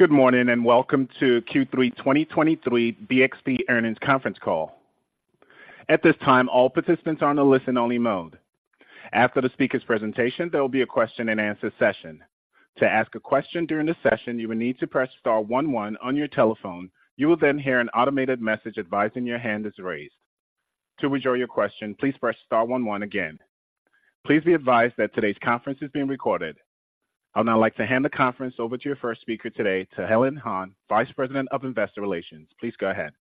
Good morning, and welcome to Q3 2023 BXP Earnings Conference Call. At this time, all participants are on a listen-only mode. After the speaker's presentation, there will be a question-and-answer session. To ask a question during the session, you will need to press star one one on your telephone. You will then hear an automated message advising your hand is raised. To withdraw your question, please press star one one again. Please be advised that today's conference is being recorded. I'll now like to hand the conference over to your first speaker today, to Helen Han, Vice President of Investor Relations. Please go ahead.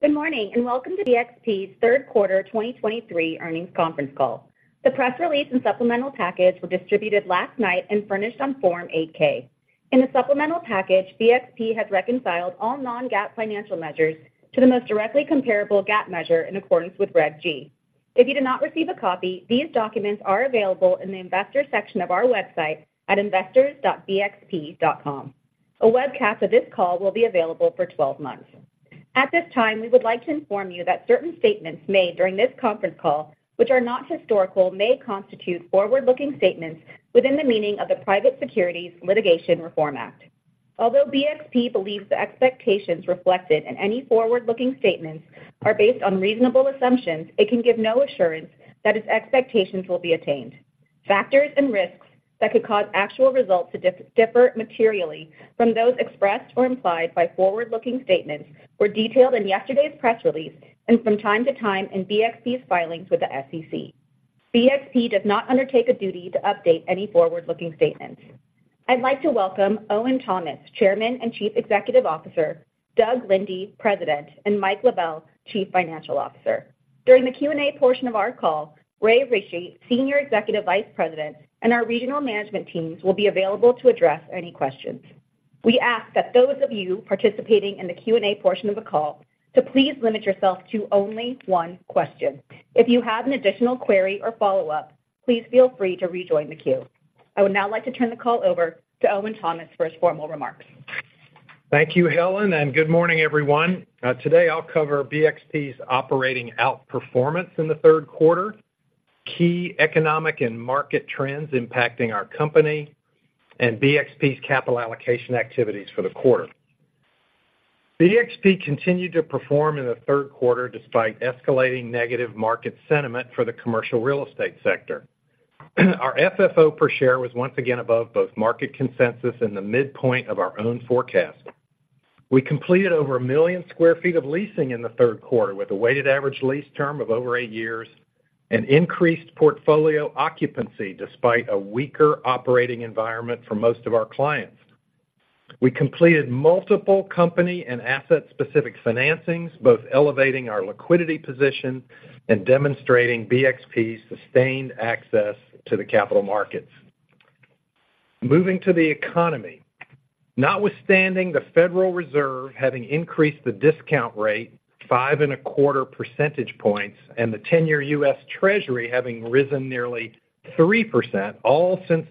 Good morning, and welcome to BXP's third quarter 2023 earnings conference call. The press release and supplemental package were distributed last night and furnished on Form 8-K. In the supplemental package, BXP has reconciled all non-GAAP financial measures to the most directly comparable GAAP measure in accordance with Reg G. If you did not receive a copy, these documents are available in the Investors section of our website at investors.bxp.com. A webcast of this call will be available for 12 months. At this time, we would like to inform you that certain statements made during this conference call, which are not historical, may constitute forward-looking statements within the meaning of the Private Securities Litigation Reform Act. Although BXP believes the expectations reflected in any forward-looking statements are based on reasonable assumptions, it can give no assurance that its expectations will be attained. Factors and risks that could cause actual results to differ materially from those expressed or implied by forward-looking statements were detailed in yesterday's press release and from time to time in BXP's filings with the SEC. BXP does not undertake a duty to update any forward-looking statements. I'd like to welcome Owen Thomas, Chairman and Chief Executive Officer, Doug Linde, President, and Mike LaBelle, Chief Financial Officer. During the Q&A portion of our call, Ray Ritchey, Senior Executive Vice President, and our regional management teams will be available to address any questions. We ask that those of you participating in the Q&A portion of the call to please limit yourself to only one question. If you have an additional query or follow-up, please feel free to rejoin the queue. I would now like to turn the call over to Owen Thomas for his formal remarks. Thank you, Helen, and good morning, everyone. Today, I'll cover BXP's operating outperformance in the third quarter, key economic and market trends impacting our company, and BXP's capital allocation activities for the quarter. BXP continued to perform in the third quarter despite escalating negative market sentiment for the commercial real estate sector. Our FFO per share was once again above both market consensus and the midpoint of our own forecast. We completed over 1 million sq ft of leasing in the third quarter, with a weighted average lease term of over eight years and increased portfolio occupancy despite a weaker operating environment for most of our clients. We completed multiple company and asset-specific financings, both elevating our liquidity position and demonstrating BXP's sustained access to the capital markets. Moving to the economy. Notwithstanding the Federal Reserve having increased the discount rate 5.25 percentage points, and the ten-year U.S. Treasury having risen nearly 3%, all since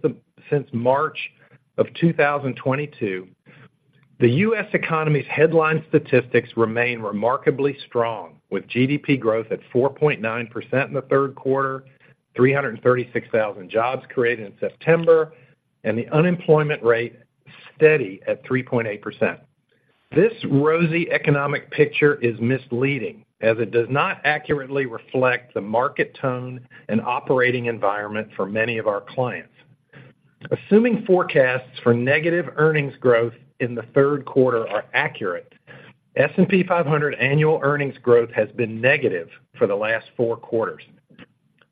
the since March of 2022, the U.S. economy's headline statistics remain remarkably strong, with GDP growth at 4.9% in the third quarter, 336,000 jobs created in September, and the unemployment rate steady at 3.8%. This rosy economic picture is misleading, as it does not accurately reflect the market tone and operating environment for many of our clients. Assuming forecasts for negative earnings growth in the third quarter are accurate, S&P 500 annual earnings growth has been negative for the last four quarters.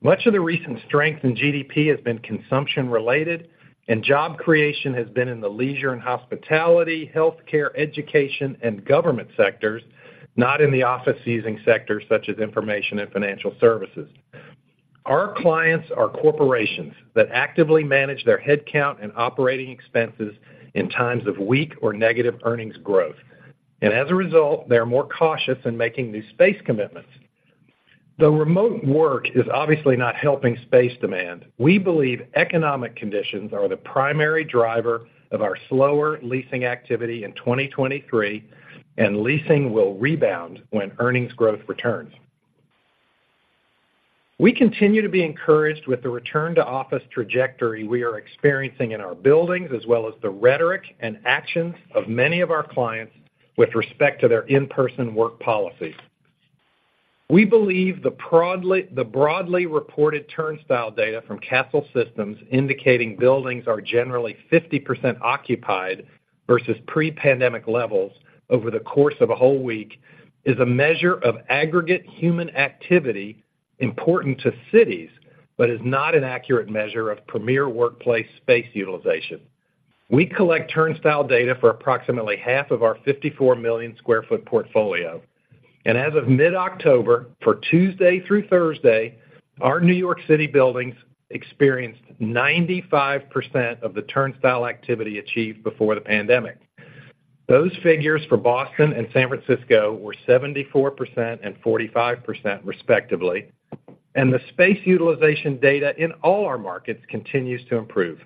Much of the recent strength in GDP has been consumption-related, and job creation has been in the leisure and hospitality, healthcare, education, and government sectors, not in the office leasing sectors such as information and financial services. Our clients are corporations that actively manage their headcount and operating expenses in times of weak or negative earnings growth, and as a result, they are more cautious in making new space commitments. Though remote work is obviously not helping space demand, we believe economic conditions are the primary driver of our slower leasing activity in 2023, and leasing will rebound when earnings growth returns. We continue to be encouraged with the return-to-office trajectory we are experiencing in our buildings, as well as the rhetoric and actions of many of our clients with respect to their in-person work policies. We believe broadly reported turnstile data from Kastle Systems, indicating buildings are generally 50% occupied versus pre-pandemic levels over the course of a whole week, is a measure of aggregate human activity important to cities, but is not an accurate measure of premier workplace space utilization. We collect turnstile data for approximately half of our 54 million sq ft portfolio, and as of mid-October, for Tuesday through Thursday, our New York City buildings experienced 95% of the turnstile activity achieved before the pandemic. Those figures for Boston and San Francisco were 74% and 45%, respectively, and the space utilization data in all our markets continues to improve.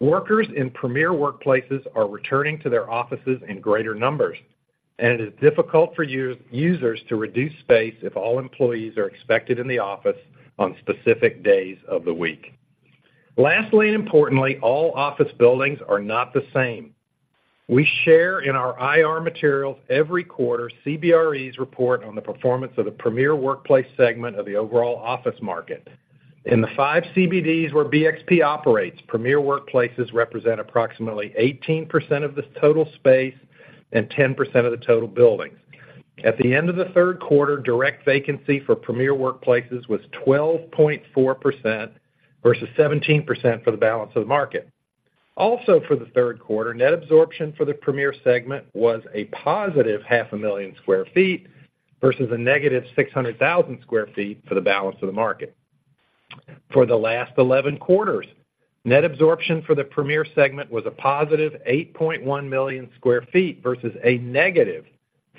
Workers in premier workplaces are returning to their offices in greater numbers... and it is difficult for users to reduce space if all employees are expected in the office on specific days of the week. Lastly, and importantly, all office buildings are not the same. We share in our IR materials every quarter, CBRE's report on the performance of the premier workplace segment of the overall office market. In the five CBDs where BXP operates, premier workplaces represent approximately 18% of the total space and 10% of the total buildings. At the end of the third quarter, direct vacancy for premier workplaces was 12.4% versus 17% for the balance of the market. Also, for the third quarter, net absorption for the premier segment was a positive 500,000 sq ft versus a negative 600,000 sq ft for the balance of the market. For the last 11 quarters, net absorption for the premier segment was a positive 8.1 million sq ft versus a negative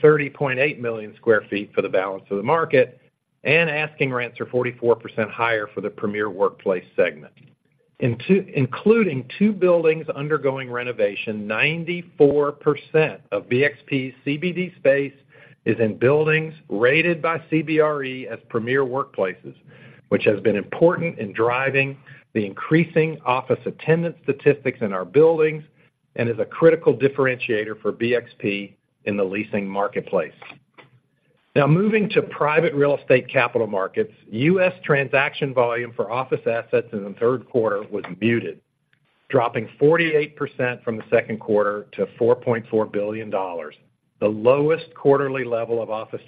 30.8 million sq ft for the balance of the market, and asking rents are 44% higher for the premier workplace segment. Including two buildings undergoing renovation, 94% of BXP's CBD space is in buildings rated by CBRE as premier workplaces, which has been important in driving the increasing office attendance statistics in our buildings and is a critical differentiator for BXP in the leasing marketplace. Now, moving to private real estate capital markets, U.S. transaction volume for office assets in the third quarter was muted, dropping 48% from the second quarter to $4.4 billion, the lowest quarterly level of office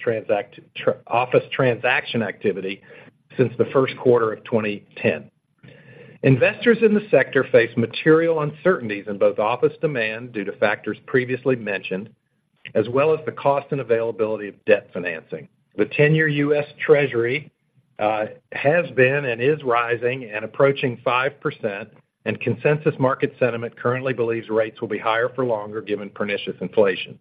transaction activity since the first quarter of 2010. Investors in the sector face material uncertainties in both office demand due to factors previously mentioned, as well as the cost and availability of debt financing. The ten-year U.S. Treasury has been and is rising and approaching 5%, and consensus market sentiment currently believes rates will be higher for longer, given pernicious inflation.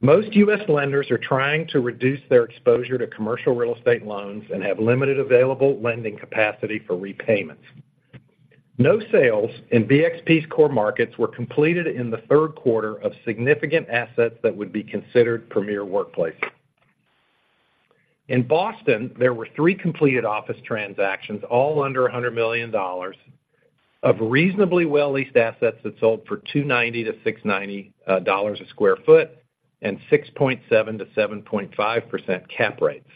Most U.S. lenders are trying to reduce their exposure to commercial real estate loans and have limited available lending capacity for repayments. No sales in BXP's core markets were completed in the third quarter of significant assets that would be considered premier workplaces. In Boston, there were three completed office transactions, all under $100 million of reasonably well-leased assets that sold for $290-$690/sq ft and 6.7%-7.5% cap rates.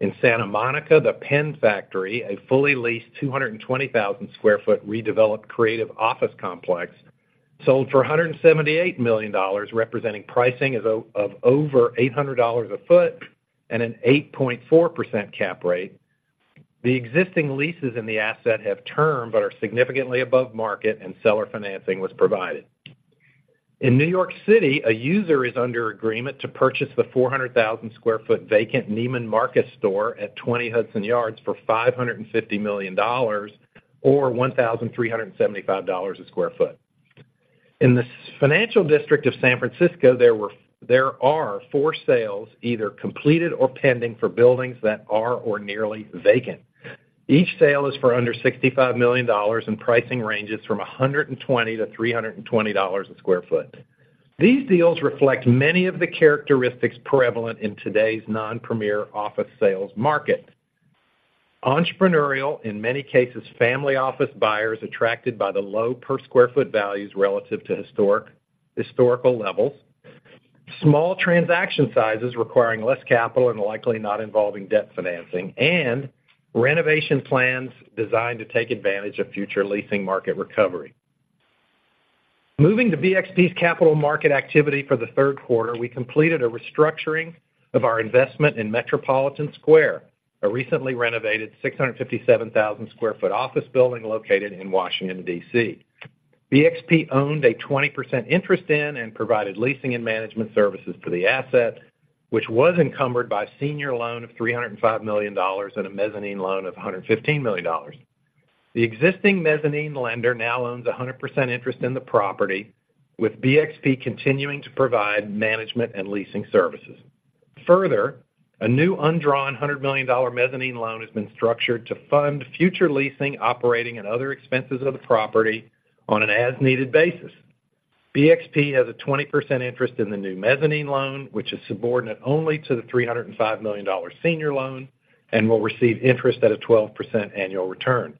In Santa Monica, the Pen Factory, a fully leased 220,000 sq ft redeveloped creative office complex, sold for $178 million, representing pricing of over $800 a sq ft and an 8.4% cap rate. The existing leases in the asset have term but are significantly above market and seller financing was provided. In New York City, a user is under agreement to purchase the 400,000 sq ft vacant Neiman Marcus store at 20 Hudson Yards for $550 million, or $1,375 a sq ft. In the Financial district of San Francisco, there are four sales, either completed or pending, for buildings that are or nearly vacant. Each sale is for under $65 million, and pricing ranges from $120-$320/sq ft. These deals reflect many of the characteristics prevalent in today's non-Premier office sales market. Entrepreneurial, in many cases, family office buyers attracted by the low per square foot values relative to historical levels, small transaction sizes requiring less capital and likely not involving debt financing, and renovation plans designed to take advantage of future leasing market recovery. Moving to BXP's capital market activity for the third quarter, we completed a restructuring of our investment in Metropolitan Square, a recently renovated 657,000 sq ft office building located in Washington, D.C. BXP owned a 20% interest in and provided leasing and management services for the asset, which was encumbered by a senior loan of $305 million and a mezzanine loan of $115 million. The existing mezzanine lender now owns a 100% interest in the property, with BXP continuing to provide management and leasing services. Further, a new undrawn $100 million mezzanine loan has been structured to fund future leasing, operating, and other expenses of the property on an as-needed basis. BXP has a 20% interest in the new mezzanine loan, which is subordinate only to the $305 million senior loan and will receive interest at a 12% annual return.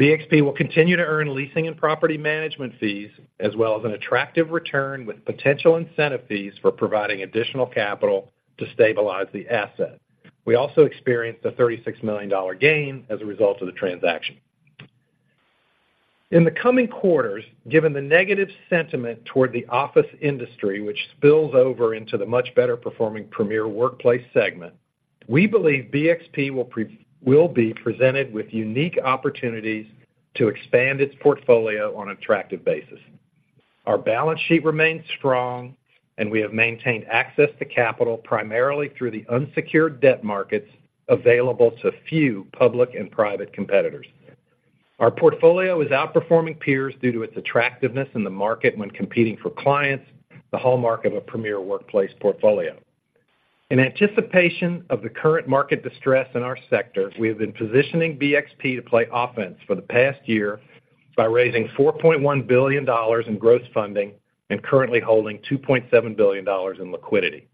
BXP will continue to earn leasing and property management fees, as well as an attractive return with potential incentive fees for providing additional capital to stabilize the asset. We also experienced a $36 million gain as a result of the transaction. In the coming quarters, given the negative sentiment toward the office industry, which spills over into the much better performing premier workplace segment, we believe BXP will be presented with unique opportunities to expand its portfolio on an attractive basis. Our balance sheet remains strong, and we have maintained access to capital, primarily through the unsecured debt markets available to few public and private competitors. Our portfolio is outperforming peers due to its attractiveness in the market when competing for clients, the hallmark of a premier workplace portfolio. In anticipation of the current market distress in our sector, we have been positioning BXP to play offense for the past year by raising $4.1 billion in gross funding and currently holding $2.7 billion in liquidity.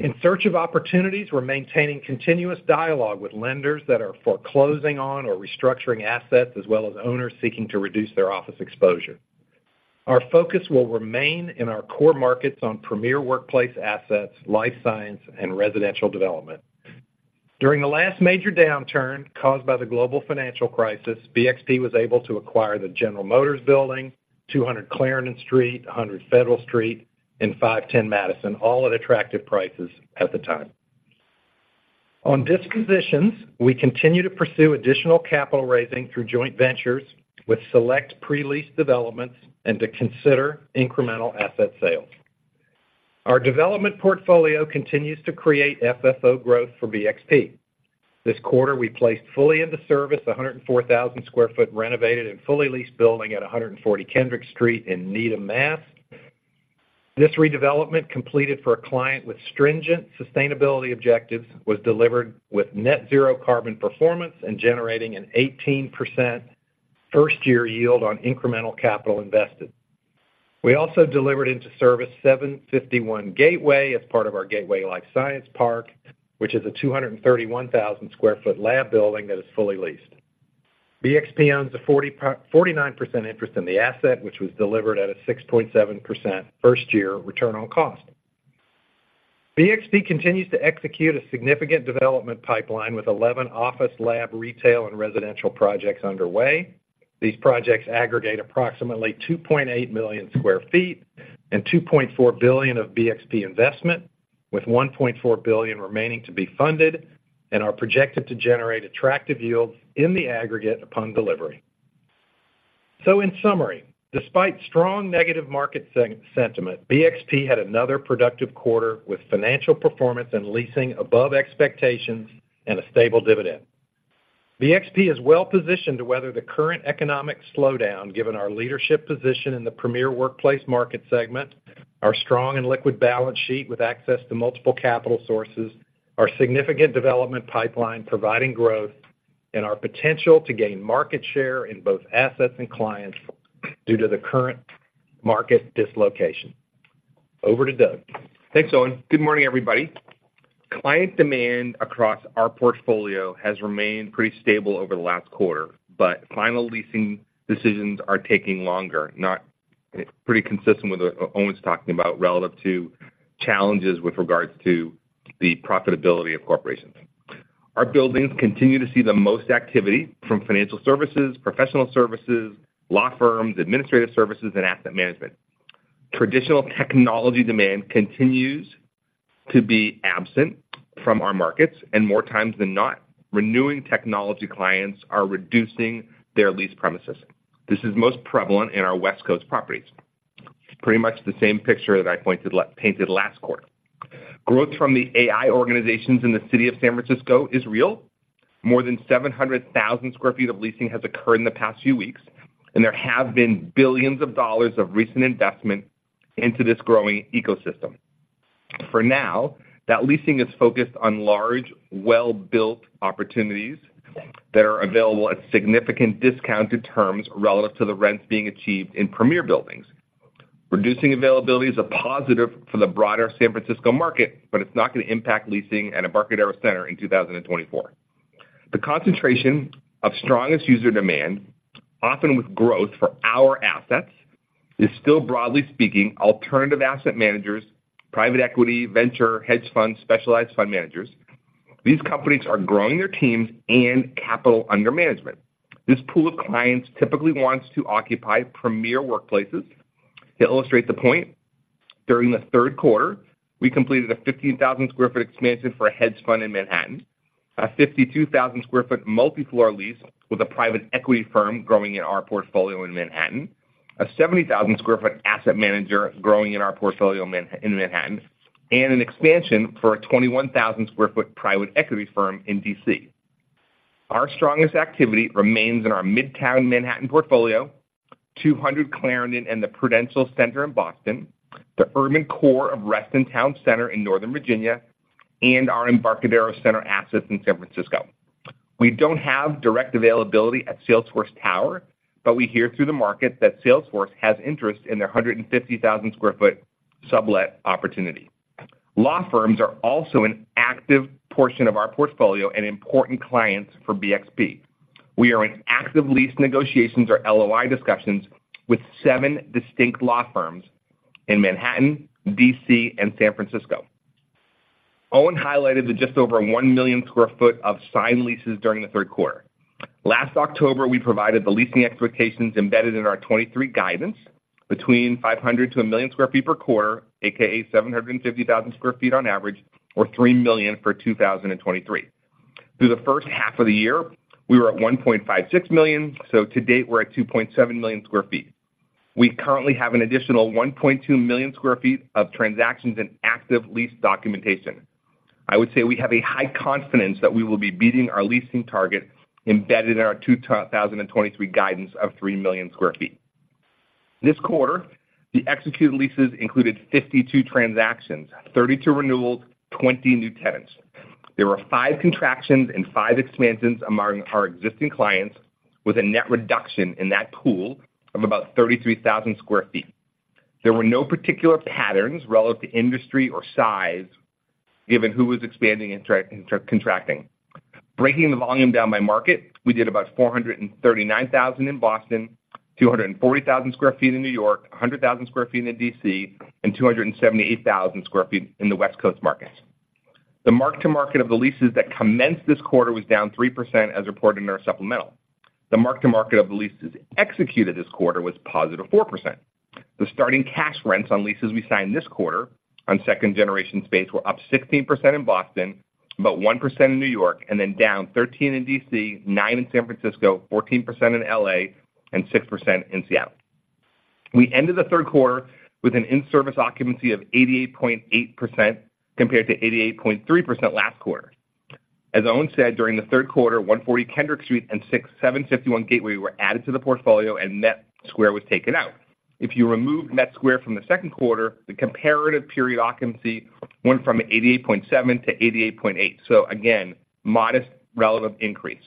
In search of opportunities, we're maintaining continuous dialogue with lenders that are foreclosing on or restructuring assets, as well as owners seeking to reduce their office exposure. Our focus will remain in our core markets on premier workplace assets, life science, and residential development. During the last major downturn caused by the global financial crisis, BXP was able to acquire the General Motors Building, 200 Clarendon Street, 100 Federal Street, and 510 Madison Avenue, all at attractive prices at the time. On dispositions, we continue to pursue additional capital raising through joint ventures with select pre-lease developments and to consider incremental asset sales. Our development portfolio continues to create FFO growth for BXP. This quarter, we placed fully into service a 104,000 sq ft renovated and fully leased building at 140 Kendrick Street in Needham, Mass. This redevelopment, completed for a client with stringent sustainability objectives, was delivered with net zero carbon performance and generating an 18% first-year yield on incremental capital invested. We also delivered into service 751 Gateway as part of our Gateway Life Science Park, which is a 231,000 sq ft lab building that is fully leased. BXP owns a 49% interest in the asset, which was delivered at a 6.7% first year return on cost. BXP continues to execute a significant development pipeline with 11 office, lab, retail, and residential projects underway. These projects aggregate approximately 2.8 million sq ft and $2.4 billion of BXP investment, with $1.4 billion remaining to be funded and are projected to generate attractive yields in the aggregate upon delivery. So in summary, despite strong negative market sentiment, BXP had another productive quarter with financial performance and leasing above expectations and a stable dividend. BXP is well positioned to weather the current economic slowdown, given our leadership position in the premier workplace market segment, our strong and liquid balance sheet with access to multiple capital sources, our significant development pipeline providing growth, and our potential to gain market share in both assets and clients due to the current market dislocation. Over to Doug. Thanks, Owen. Good morning, everybody. Client demand across our portfolio has remained pretty stable over the last quarter, but final leasing decisions are taking longer, pretty consistent with what Owen's talking about, relative to challenges with regards to the profitability of corporations. Our buildings continue to see the most activity from financial services, professional services, law firms, administrative services, and asset management. Traditional technology demand continues to be absent from our markets, and more times than not, renewing technology clients are reducing their leased premises. This is most prevalent in our West Coast properties. Pretty much the same picture that I pointed last, painted last quarter. Growth from the AI organizations in the city of San Francisco is real. More than 700,000 sq ft of leasing has occurred in the past few weeks, and there have been billions of dollars of recent investment into this growing ecosystem. For now, that leasing is focused on large, well-built opportunities that are available at significant discounted terms relative to the rents being achieved in premier buildings. Reducing availability is a positive for the broader San Francisco market, but it's not going to impact leasing at Embarcadero Center in 2024. The concentration of strongest user demand, often with growth for our assets, is still, broadly speaking, alternative asset managers, private equity, venture, hedge funds, specialized fund managers. These companies are growing their teams and capital under management. This pool of clients typically wants to occupy premier workplaces. To illustrate the point, during the third quarter, we completed a 15,000 sq ft expansion for a hedge fund in Manhattan, a 52,000 sq ft multi-floor lease with a private equity firm growing in our portfolio in Manhattan, a 70,000 sq ft asset manager growing in our portfolio in Manhattan, and an expansion for a 21,000 sq ft private equity firm in D.C. Our strongest activity remains in our Midtown Manhattan portfolio, 200 Clarendon and the Prudential Center in Boston, the urban core of Reston Town Center in Northern Virginia, and our Embarcadero Center assets in San Francisco. We don't have direct availability at Salesforce Tower, but we hear through the market that Salesforce has interest in their 150,000 sq ft sublet opportunity. Law firms are also an active portion of our portfolio and important clients for BXP. We are in active lease negotiations or LOI discussions with seven distinct law firms in Manhattan, D.C., and San Francisco. Owen highlighted the just over 1 million sq ft of signed leases during the third quarter. Last October, we provided the leasing expectations embedded in our 2023 guidance between 500,000-1 million sq ft per quarter, AKA 750,000 sq ft on average, or 3 million for 2023. Through the first half of the year, we were at 1.56 million, so to date, we're at 2.7 million sq ft. We currently have an additional 1.2 million sq ft of transactions in active lease documentation. I would say we have a high confidence that we will be beating our leasing target embedded in our 2023 guidance of 3 million sq ft. This quarter, the executed leases included 52 transactions, 32 renewals, 20 new tenants. There were five contractions and five expansions among our existing clients, with a net reduction in that pool of about 33,000 sq ft. There were no particular patterns relative to industry or size, given who was expanding and contracting. Breaking the volume down by market, we did about 439,000 sq ft in Boston, 240,000 sq ft in New York, 100,000 sq ft in D.C., and 278,000 sq ft in the West Coast markets. The mark-to-market of the leases that commenced this quarter was down 3% as reported in our supplemental. The mark-to-market of the leases executed this quarter was positive 4%. The starting cash rents on leases we signed this quarter on second-generation space were up 16% in Boston, about 1% in New York, and then down 13% in D.C., 9% in San Francisco, 14% in L.A., and 6% in Seattle. We ended the third quarter with an in-service occupancy of 88.8%, compared to 88.3% last quarter. As Owen said, during the third quarter, 140 Kendrick Street and 751 Gateway were added to the portfolio, and Met Square was taken out. If you remove Met Square from the second quarter, the comparative period occupancy went from 88.7% to 88.8%. So again, modest relevant increase.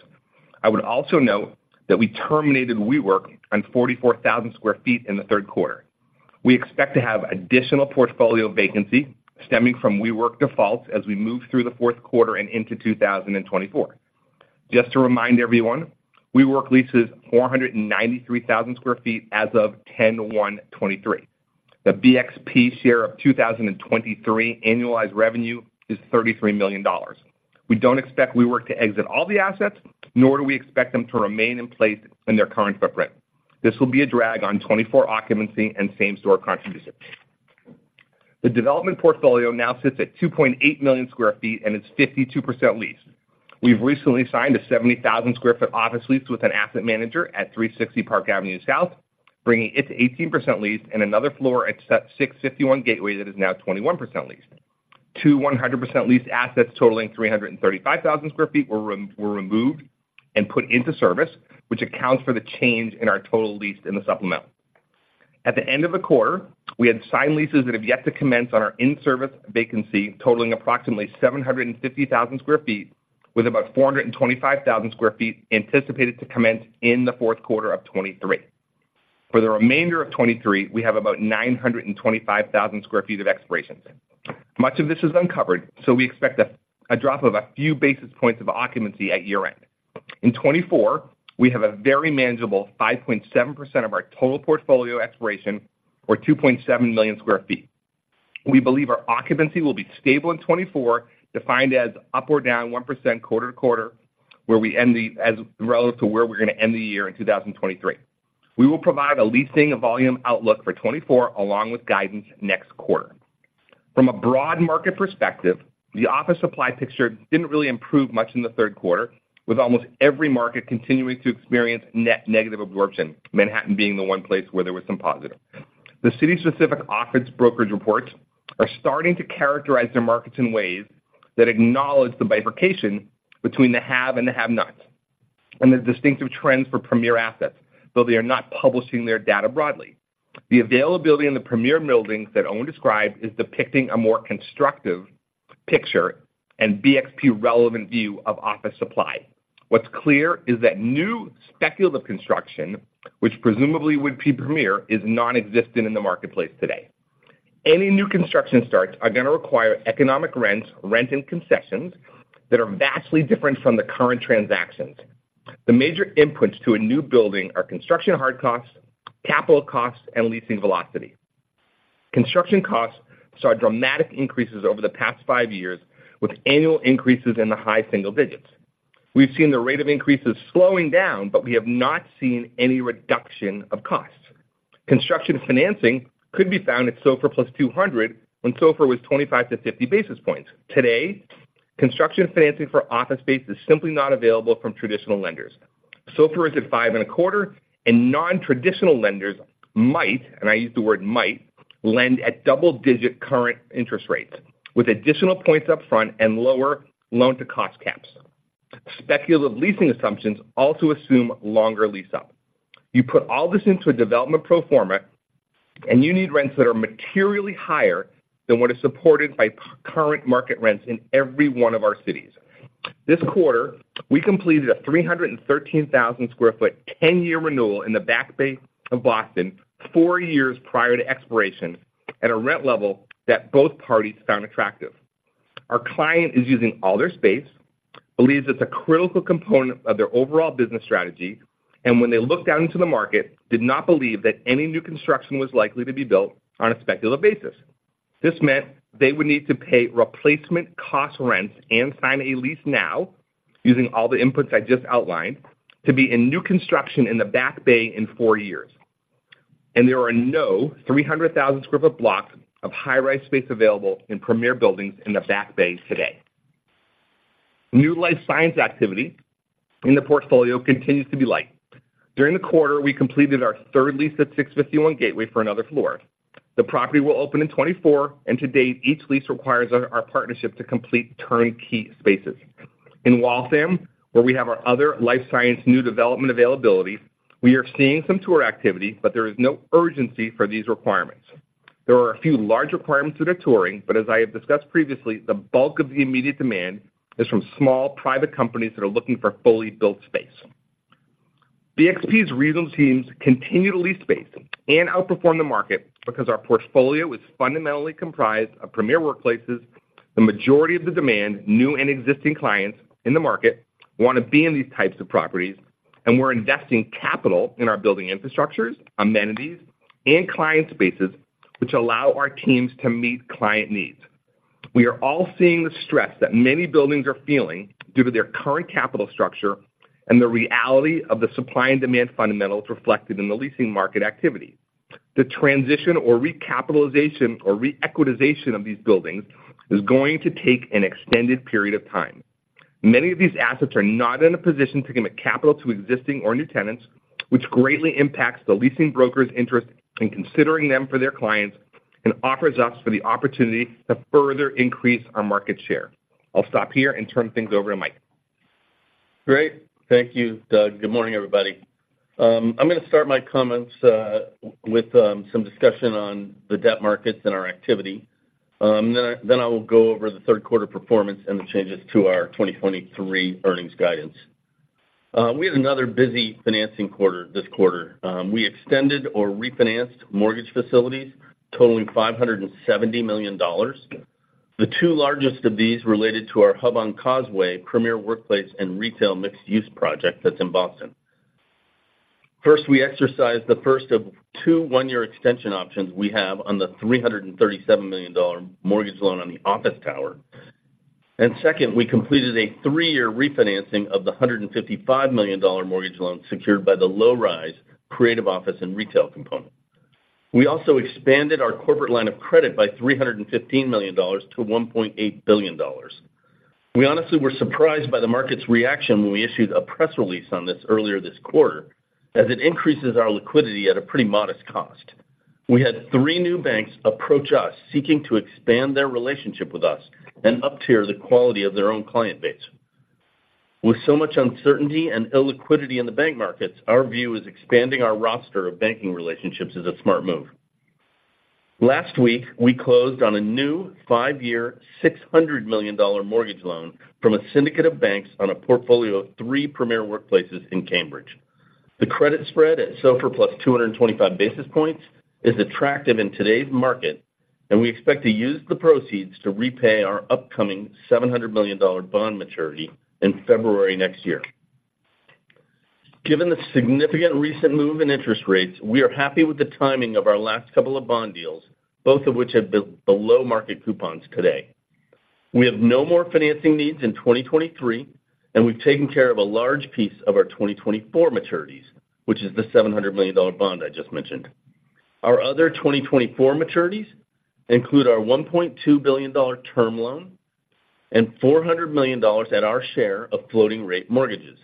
I would also note that we terminated WeWork on 44,000 sq ft in the third quarter. We expect to have additional portfolio vacancy stemming from WeWork defaults as we move through the fourth quarter and into 2024. Just to remind everyone, WeWork leases 493,000 sq ft as of 10/1/2023. The BXP share of 2023 annualized revenue is $33 million. We don't expect WeWork to exit all the assets, nor do we expect them to remain in place in their current footprint. This will be a drag on 2024 occupancy and same-store contribution. The development portfolio now sits at 2.8 million sq ft, and it's 52% leased. We've recently signed a 70,000 sq ft office lease with an asset manager at 360 Park Avenue South, bringing it 18% leased and another floor at 651 Gateway that is now 21% leased. 100% leased assets totaling 335,000 sq ft were removed and put into service, which accounts for the change in our total leased in the supplemental. At the end of the quarter, we had signed leases that have yet to commence on our in-service vacancy, totaling approximately 750,000 sq ft, with about 425,000 sq ft anticipated to commence in the fourth quarter of 2023. For the remainder of 2023, we have about 925,000 sq ft of expirations. Much of this is uncovered, so we expect a drop of a few basis points of occupancy at year-end. In 2024, we have a very manageable 5.7% of our total portfolio expiration or 2.7 million sq ft. We believe our occupancy will be stable in 2024, defined as up or down 1% quarter to quarter, where we end the year as relative to where we're going to end the year in 2023. We will provide a leasing volume outlook for 2024 along with guidance next quarter. From a broad market perspective, the office supply picture didn't really improve much in the third quarter, with almost every market continuing to experience net negative absorption, Manhattan being the one place where there was some positive. The city-specific office brokerage reports are starting to characterize their markets in ways that acknowledge the bifurcation between the have and the have-nots, and the distinctive trends for premier assets, though they are not publishing their data broadly. The availability in the premier buildings that Owen described is depicting a more constructive picture and BXP relevant view of office supply. What's clear is that new speculative construction, which presumably would be premier, is nonexistent in the marketplace today. Any new construction starts are going to require economic rents, rent, and concessions that are vastly different from the current transactions. The major inputs to a new building are construction hard costs, capital costs, and leasing velocity. Construction costs saw dramatic increases over the past five years, with annual increases in the high single digits. We've seen the rate of increases slowing down, but we have not seen any reduction of costs. Construction financing could be found at SOFR + 200, when SOFR was 25-50 basis points. Today, construction financing for office space is simply not available from traditional lenders. SOFR is at 5.25%, and non-traditional lenders might, and I use the word might, lend at double-digit current interest rates, with additional points up front and lower loan-to-cost caps. Speculative leasing assumptions also assume longer lease up. You put all this into a development pro forma, and you need rents that are materially higher than what is supported by current market rents in every one of our cities. This quarter, we completed a 313,000 sq ft, 10-year renewal in the Back Bay of Boston, four years prior to expiration, at a rent level that both parties found attractive. Our client is using all their space, believes it's a critical component of their overall business strategy, and when they looked out into the market, did not believe that any new construction was likely to be built on a speculative basis. This meant they would need to pay replacement cost rents and sign a lease now, using all the inputs I just outlined, to be in new construction in the Back Bay in four years. There are no 300,000 sq ft blocks of high-rise space available in premier buildings in the Back Bay today. New life science activity in the portfolio continues to be light. During the quarter, we completed our third lease at 651 Gateway for another floor. The property will open in 2024, and to date, each lease requires our partnership to complete turnkey spaces. In Waltham, where we have our other life science new development availabilities, we are seeing some tour activity, but there is no urgency for these requirements. There are a few large requirements that are touring, but as I have discussed previously, the bulk of the immediate demand is from small, private companies that are looking for fully built space. BXP's regional teams continue to lease space and outperform the market because our portfolio is fundamentally comprised of premier workplaces. The majority of the demand, new and existing clients in the market want to be in these types of properties, and we're investing capital in our building infrastructures, amenities, and client spaces, which allow our teams to meet client needs. We are all seeing the stress that many buildings are feeling due to their current capital structure and the reality of the supply and demand fundamentals reflected in the leasing market activity. The transition or recapitalization or re-equitization of these buildings is going to take an extended period of time. Many of these assets are not in a position to commit capital to existing or new tenants, which greatly impacts the leasing brokers' interest in considering them for their clients and offers us for the opportunity to further increase our market share. I'll stop here and turn things over to Mike. Great. Thank you, Doug. Good morning, everybody. I'm gonna start my comments with some discussion on the debt markets and our activity. Then I will go over the third quarter performance and the changes to our 2023 earnings guidance. We had another busy financing quarter this quarter. We extended or refinanced mortgage facilities totaling $570 million. The two largest of these related to our Hub on Causeway premier workplace and retail mixed-use project that's in Boston. First, we exercised the first of two one-year extension options we have on the $337 million mortgage loan on the office tower. And second, we completed a three-year refinancing of the $155 million mortgage loan secured by the low-rise creative office and retail component. We also expanded our corporate line of credit by $315 million to $1.8 billion. We honestly were surprised by the market's reaction when we issued a press release on this earlier this quarter, as it increases our liquidity at a pretty modest cost. We had three new banks approach us, seeking to expand their relationship with us and uptier the quality of their own client base. With so much uncertainty and illiquidity in the bank markets, our view is expanding our roster of banking relationships is a smart move. Last week, we closed on a new five-year, $600 million mortgage loan from a syndicate of banks on a portfolio of three premier workplaces in Cambridge. The credit spread at SOFR + 225 basis points is attractive in today's market, and we expect to use the proceeds to repay our upcoming $700 million bond maturity in February next year. Given the significant recent move in interest rates, we are happy with the timing of our last couple of bond deals, both of which have been below market coupons today. We have no more financing needs in 2023, and we've taken care of a large piece of our 2024 maturities, which is the $700 million bond I just mentioned. Our other 2024 maturities include our $1.2 billion term loan and $400 million at our share of floating rate mortgages.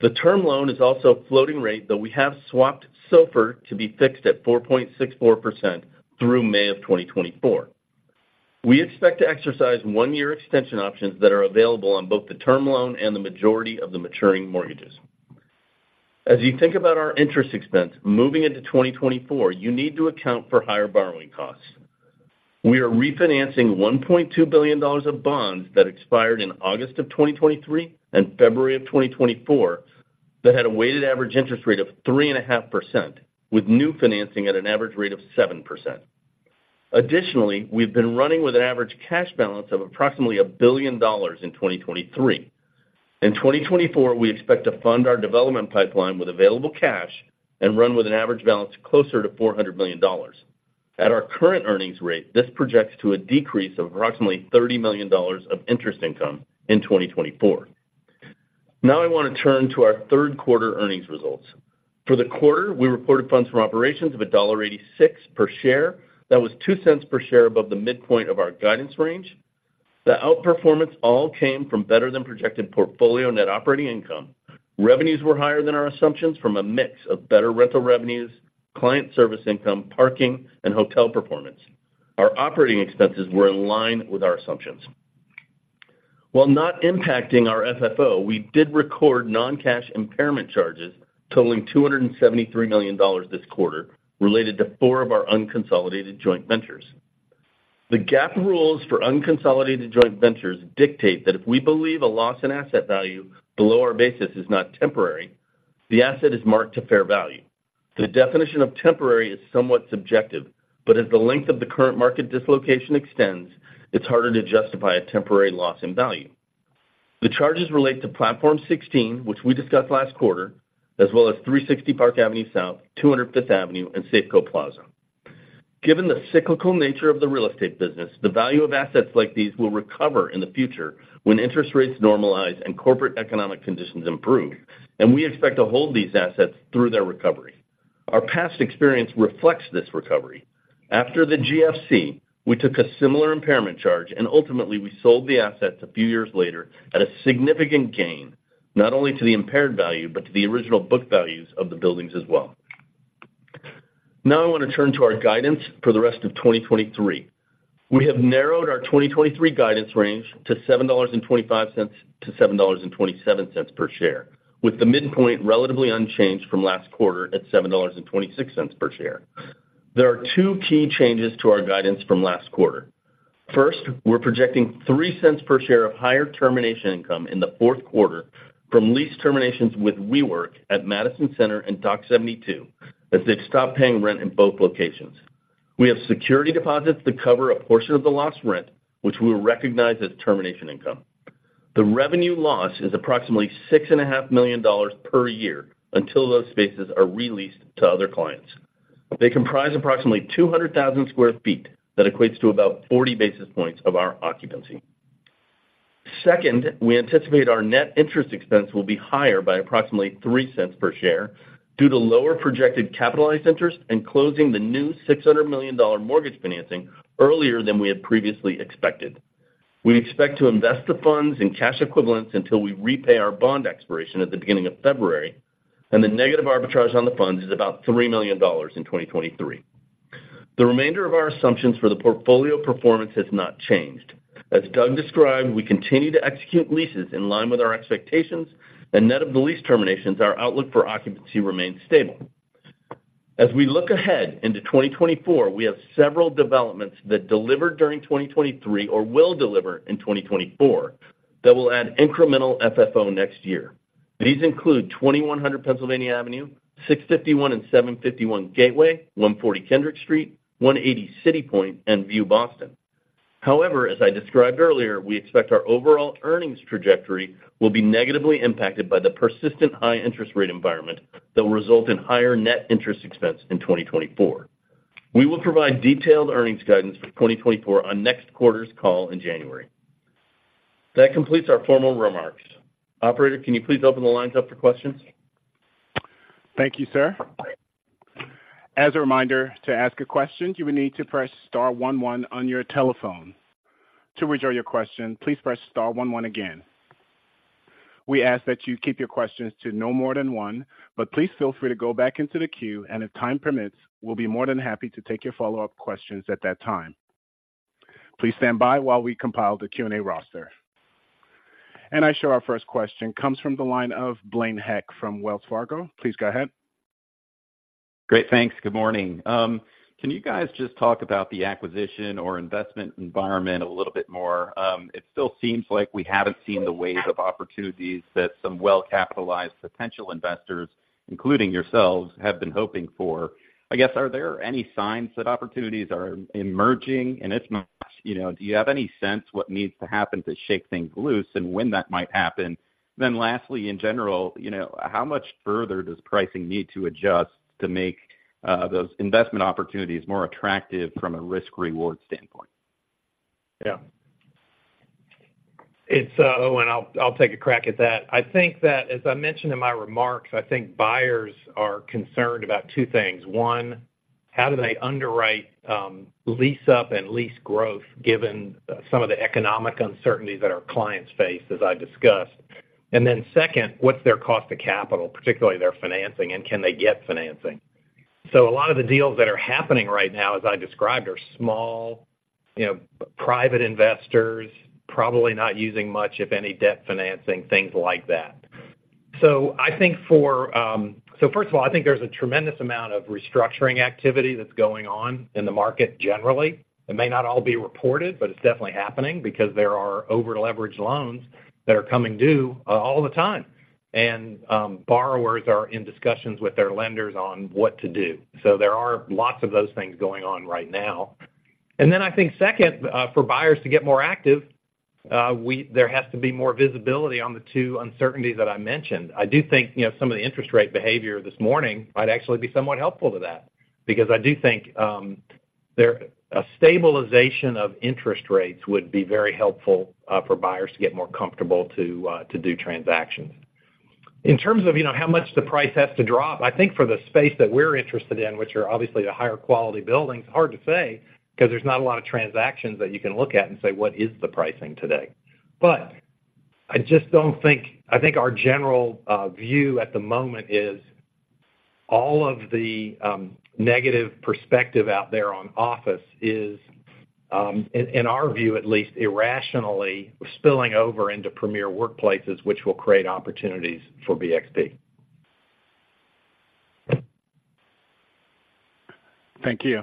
The term loan is also a floating rate, though we have swapped SOFR to be fixed at 4.64% through May 2024. We expect to exercise 1-year extension options that are available on both the term loan and the majority of the maturing mortgages. As you think about our interest expense moving into 2024, you need to account for higher borrowing costs. We are refinancing $1.2 billion of bonds that expired in August 2023 and February 2024, that had a weighted average interest rate of 3.5%, with new financing at an average rate of 7%. Additionally, we've been running with an average cash balance of approximately $1 billion in 2023. In 2024, we expect to fund our development pipeline with available cash and run with an average balance closer to $400 million. At our current earnings rate, this projects to a decrease of approximately $30 million of interest income in 2024. Now, I want to turn to our third quarter earnings results. For the quarter, we reported funds from operations of $1.86 per share. That was $0.02 per share above the midpoint of our guidance range. The outperformance all came from better than projected portfolio net operating income. Revenues were higher than our assumptions from a mix of better rental revenues, client service income, parking, and hotel performance. Our operating expenses were in line with our assumptions. While not impacting our FFO, we did record non-cash impairment charges totaling $273 million this quarter, related to four of our unconsolidated joint ventures. The GAAP rules for unconsolidated joint ventures dictate that if we believe a loss in asset value below our basis is not temporary, the asset is marked to fair value. The definition of temporary is somewhat subjective, but as the length of the current market dislocation extends, it's harder to justify a temporary loss in value. The charges relate to Platform 16, which we discussed last quarter, as well as 360 Park Avenue South, 200 Fifth Avenue, and Safeco Plaza. Given the cyclical nature of the real estate business, the value of assets like these will recover in the future when interest rates normalize and corporate economic conditions improve, and we expect to hold these assets through their recovery. Our past experience reflects this recovery. After the GFC, we took a similar impairment charge, and ultimately, we sold the assets a few years later at a significant gain, not only to the impaired value, but to the original book values of the buildings as well. Now I want to turn to our guidance for the rest of 2023. We have narrowed our 2023 guidance range to $7.25-$7.27 per share, with the midpoint relatively unchanged from last quarter at $7.26 per share. There are two key changes to our guidance from last quarter. First, we're projecting $0.03 per share of higher termination income in the fourth quarter from lease terminations with WeWork at Madison Centre and Dock 72, as they've stopped paying rent in both locations. We have security deposits that cover a portion of the lost rent, which we'll recognize as termination income. The revenue loss is approximately $6.5 million per year until those spaces are re-leased to other clients. They comprise approximately 200,000 sq ft. That equates to about 40 basis points of our occupancy. Second, we anticipate our net interest expense will be higher by approximately $0.03 per share due to lower projected capitalized interest and closing the new $600 million mortgage financing earlier than we had previously expected. We expect to invest the funds in cash equivalents until we repay our bond expiration at the beginning of February, and the negative arbitrage on the funds is about $3 million in 2023. The remainder of our assumptions for the portfolio performance has not changed. As Doug described, we continue to execute leases in line with our expectations, and net of the lease terminations, our outlook for occupancy remains stable. As we look ahead into 2024, we have several developments that delivered during 2023 or will deliver in 2024, that will add incremental FFO next year. These include 2100 Pennsylvania Avenue, 651 and 751 Gateway, 140 Kendrick Street, 180 CityPoint, and View Boston. However, as I described earlier, we expect our overall earnings trajectory will be negatively impacted by the persistent high-interest rate environment that will result in higher net interest expense in 2024. We will provide detailed earnings guidance for 2024 on next quarter's call in January. That completes our formal remarks. Operator, can you please open the lines up for questions? Thank you, sir. As a reminder, to ask a question, you will need to press star one one on your telephone. To withdraw your question, please press star one one again. We ask that you keep your questions to no more than one, but please feel free to go back into the queue, and if time permits, we'll be more than happy to take your follow-up questions at that time. Please stand by while we compile the Q&A roster. And I show our first question comes from the line of Blaine Heck from Wells Fargo. Please go ahead. Great. Thanks. Good morning. Can you guys just talk about the acquisition or investment environment a little bit more? It still seems like we haven't seen the wave of opportunities that some well-capitalized potential investors, including yourselves, have been hoping for. I guess, are there any signs that opportunities are emerging, and if not, you know, do you have any sense what needs to happen to shake things loose and when that might happen? Then lastly, in general, you know, how much further does pricing need to adjust to make those investment opportunities more attractive from a risk-reward standpoint? Yeah. It's... Oh, and I'll take a crack at that. I think that, as I mentioned in my remarks, I think buyers are concerned about two things. One, how do they underwrite lease up and lease growth, given some of the economic uncertainties that our clients face, as I discussed. And then second, what's their cost of capital, particularly their financing, and can they get financing? So a lot of the deals that are happening right now, as I described, are small, you know, private investors, probably not using much, if any, debt financing, things like that. So I think for... So first of all, I think there's a tremendous amount of restructuring activity that's going on in the market generally. It may not all be reported, but it's definitely happening because there are over-leveraged loans that are coming due all the time. Borrowers are in discussions with their lenders on what to do. So there are lots of those things going on right now. Then I think second, for buyers to get more active, there has to be more visibility on the two uncertainties that I mentioned. I do think, you know, some of the interest rate behavior this morning might actually be somewhat helpful to that, because I do think, a stabilization of interest rates would be very helpful, for buyers to get more comfortable to do transactions. In terms of, you know, how much the price has to drop, I think for the space that we're interested in, which are obviously the higher quality buildings, hard to say, because there's not a lot of transactions that you can look at and say, "What is the pricing today?" But I just don't think—I think our general view at the moment is, all of the negative perspective out there on office is, in our view, at least, irrationally spilling over into premier workplaces, which will create opportunities for BXP. Thank you.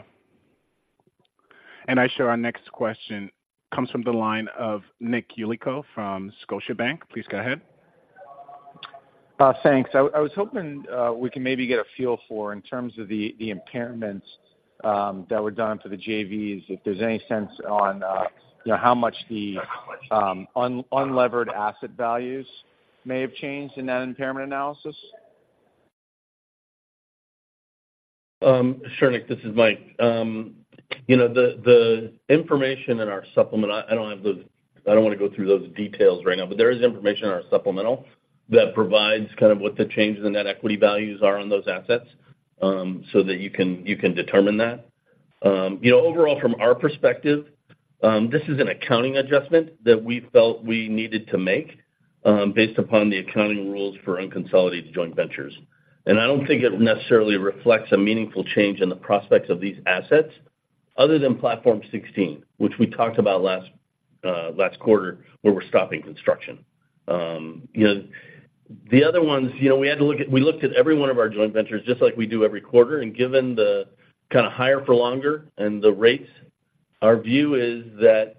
I show our next question comes from the line of Nick Yulico from Scotiabank. Please go ahead. Thanks. I was hoping we could maybe get a feel for, in terms of the impairments, that were done for the JVs, if there's any sense on, you know, how much the unlevered asset values may have changed in that impairment analysis? Sure, Nick, this is Mike. You know, the information in our supplement, I don't want to go through those details right now, but there is information in our supplemental that provides kind of what the change in the net equity values are on those assets, so that you can, you can determine that. You know, overall, from our perspective, this is an accounting adjustment that we felt we needed to make, based upon the accounting rules for unconsolidated joint ventures. I don't think it necessarily reflects a meaningful change in the prospects of these assets other than Platform 16, which we talked about last quarter, where we're stopping construction. You know, the other ones, you know, we looked at every one of our joint ventures, just like we do every quarter, and given the kind of higher for longer and the rates, our view is that,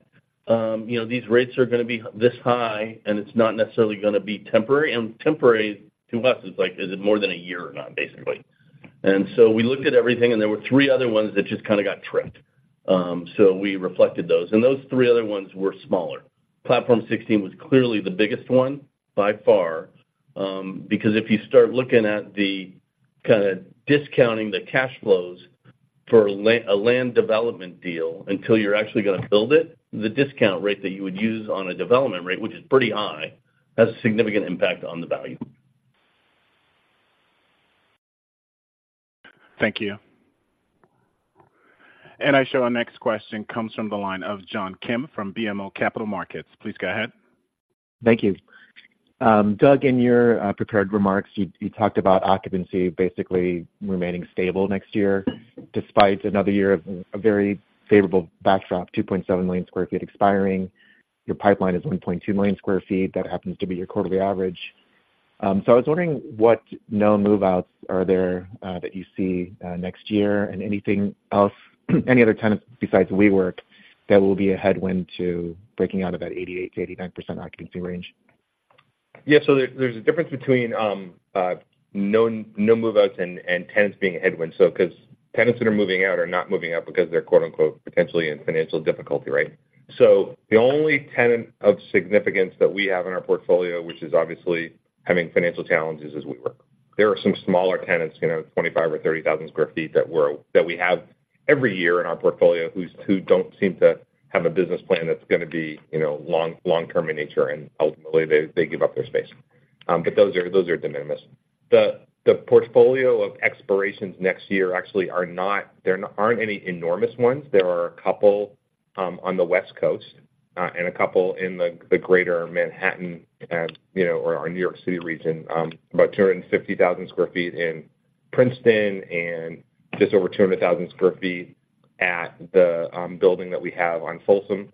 you know, these rates are going to be this high, and it's not necessarily going to be temporary. Temporary to us is like, is it more than a year or not, basically. And so we looked at everything, and there were three other ones that just kind of got tripped. So we reflected those, and those three other ones were smaller. Platform 16 was clearly the biggest one by far, because if you start looking at the kind of discounting the cash flows for a land development deal until you're actually going to build it, the discount rate that you would use on a development rate, which is pretty high, has a significant impact on the value. Thank you. And I show our next question comes from the line of John Kim from BMO Capital Markets. Please go ahead. Thank you. Doug, in your prepared remarks, you, you talked about occupancy basically remaining stable next year, despite another year of a very favorable backdrop, 2.7 million sq ft expiring. Your pipeline is 1.2 million sq ft. That happens to be your quarterly average. So I was wondering what new move-outs are there that you see next year and anything else, any other tenants besides WeWork that will be a headwind to breaking out of that 88%-89% occupancy range? Yeah, so there, there's a difference between no move-outs and tenants being a headwind. So because tenants that are moving out are not moving out because they're, quote unquote, "potentially in financial difficulty," right? So the only tenant of significance that we have in our portfolio, which is obviously having financial challenges, is WeWork. There are some smaller tenants, you know, 25,000 or 30,000 sq ft, that we have every year in our portfolio, who don't seem to have a business plan that's going to be, you know, long-term in nature, and ultimately, they give up their space. But those are de minimis. The portfolio of expirations next year actually are not—there aren't any enormous ones. There are a couple on the West Coast and a couple in the greater Manhattan and, you know, or our New York City region, about 250,000 sq ft in Princeton and just over 200,000 sq ft at the building that we have on Folsom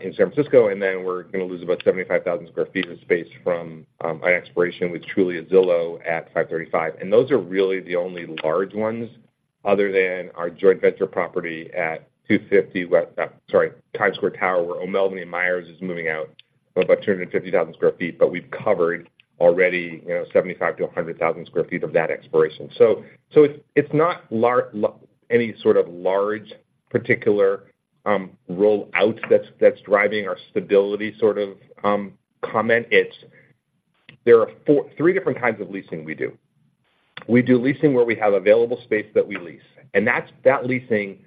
in San Francisco. And then we're going to lose about 75,000 sq ft of space from an expiration with Trulia/Zillow at 535. And those are really the only large ones other than our joint venture property at 250, sorry, Times Square Tower, where O'Melveny & Myers is moving out of about 250,000 sq ft, but we've covered already, you know, 75,000-100,000 sq ft of that expiration. It's not any sort of large particular roll out that's driving our stability sort of comment. It's three different kinds of leasing we do. We do leasing where we have available space that we lease, and that leasing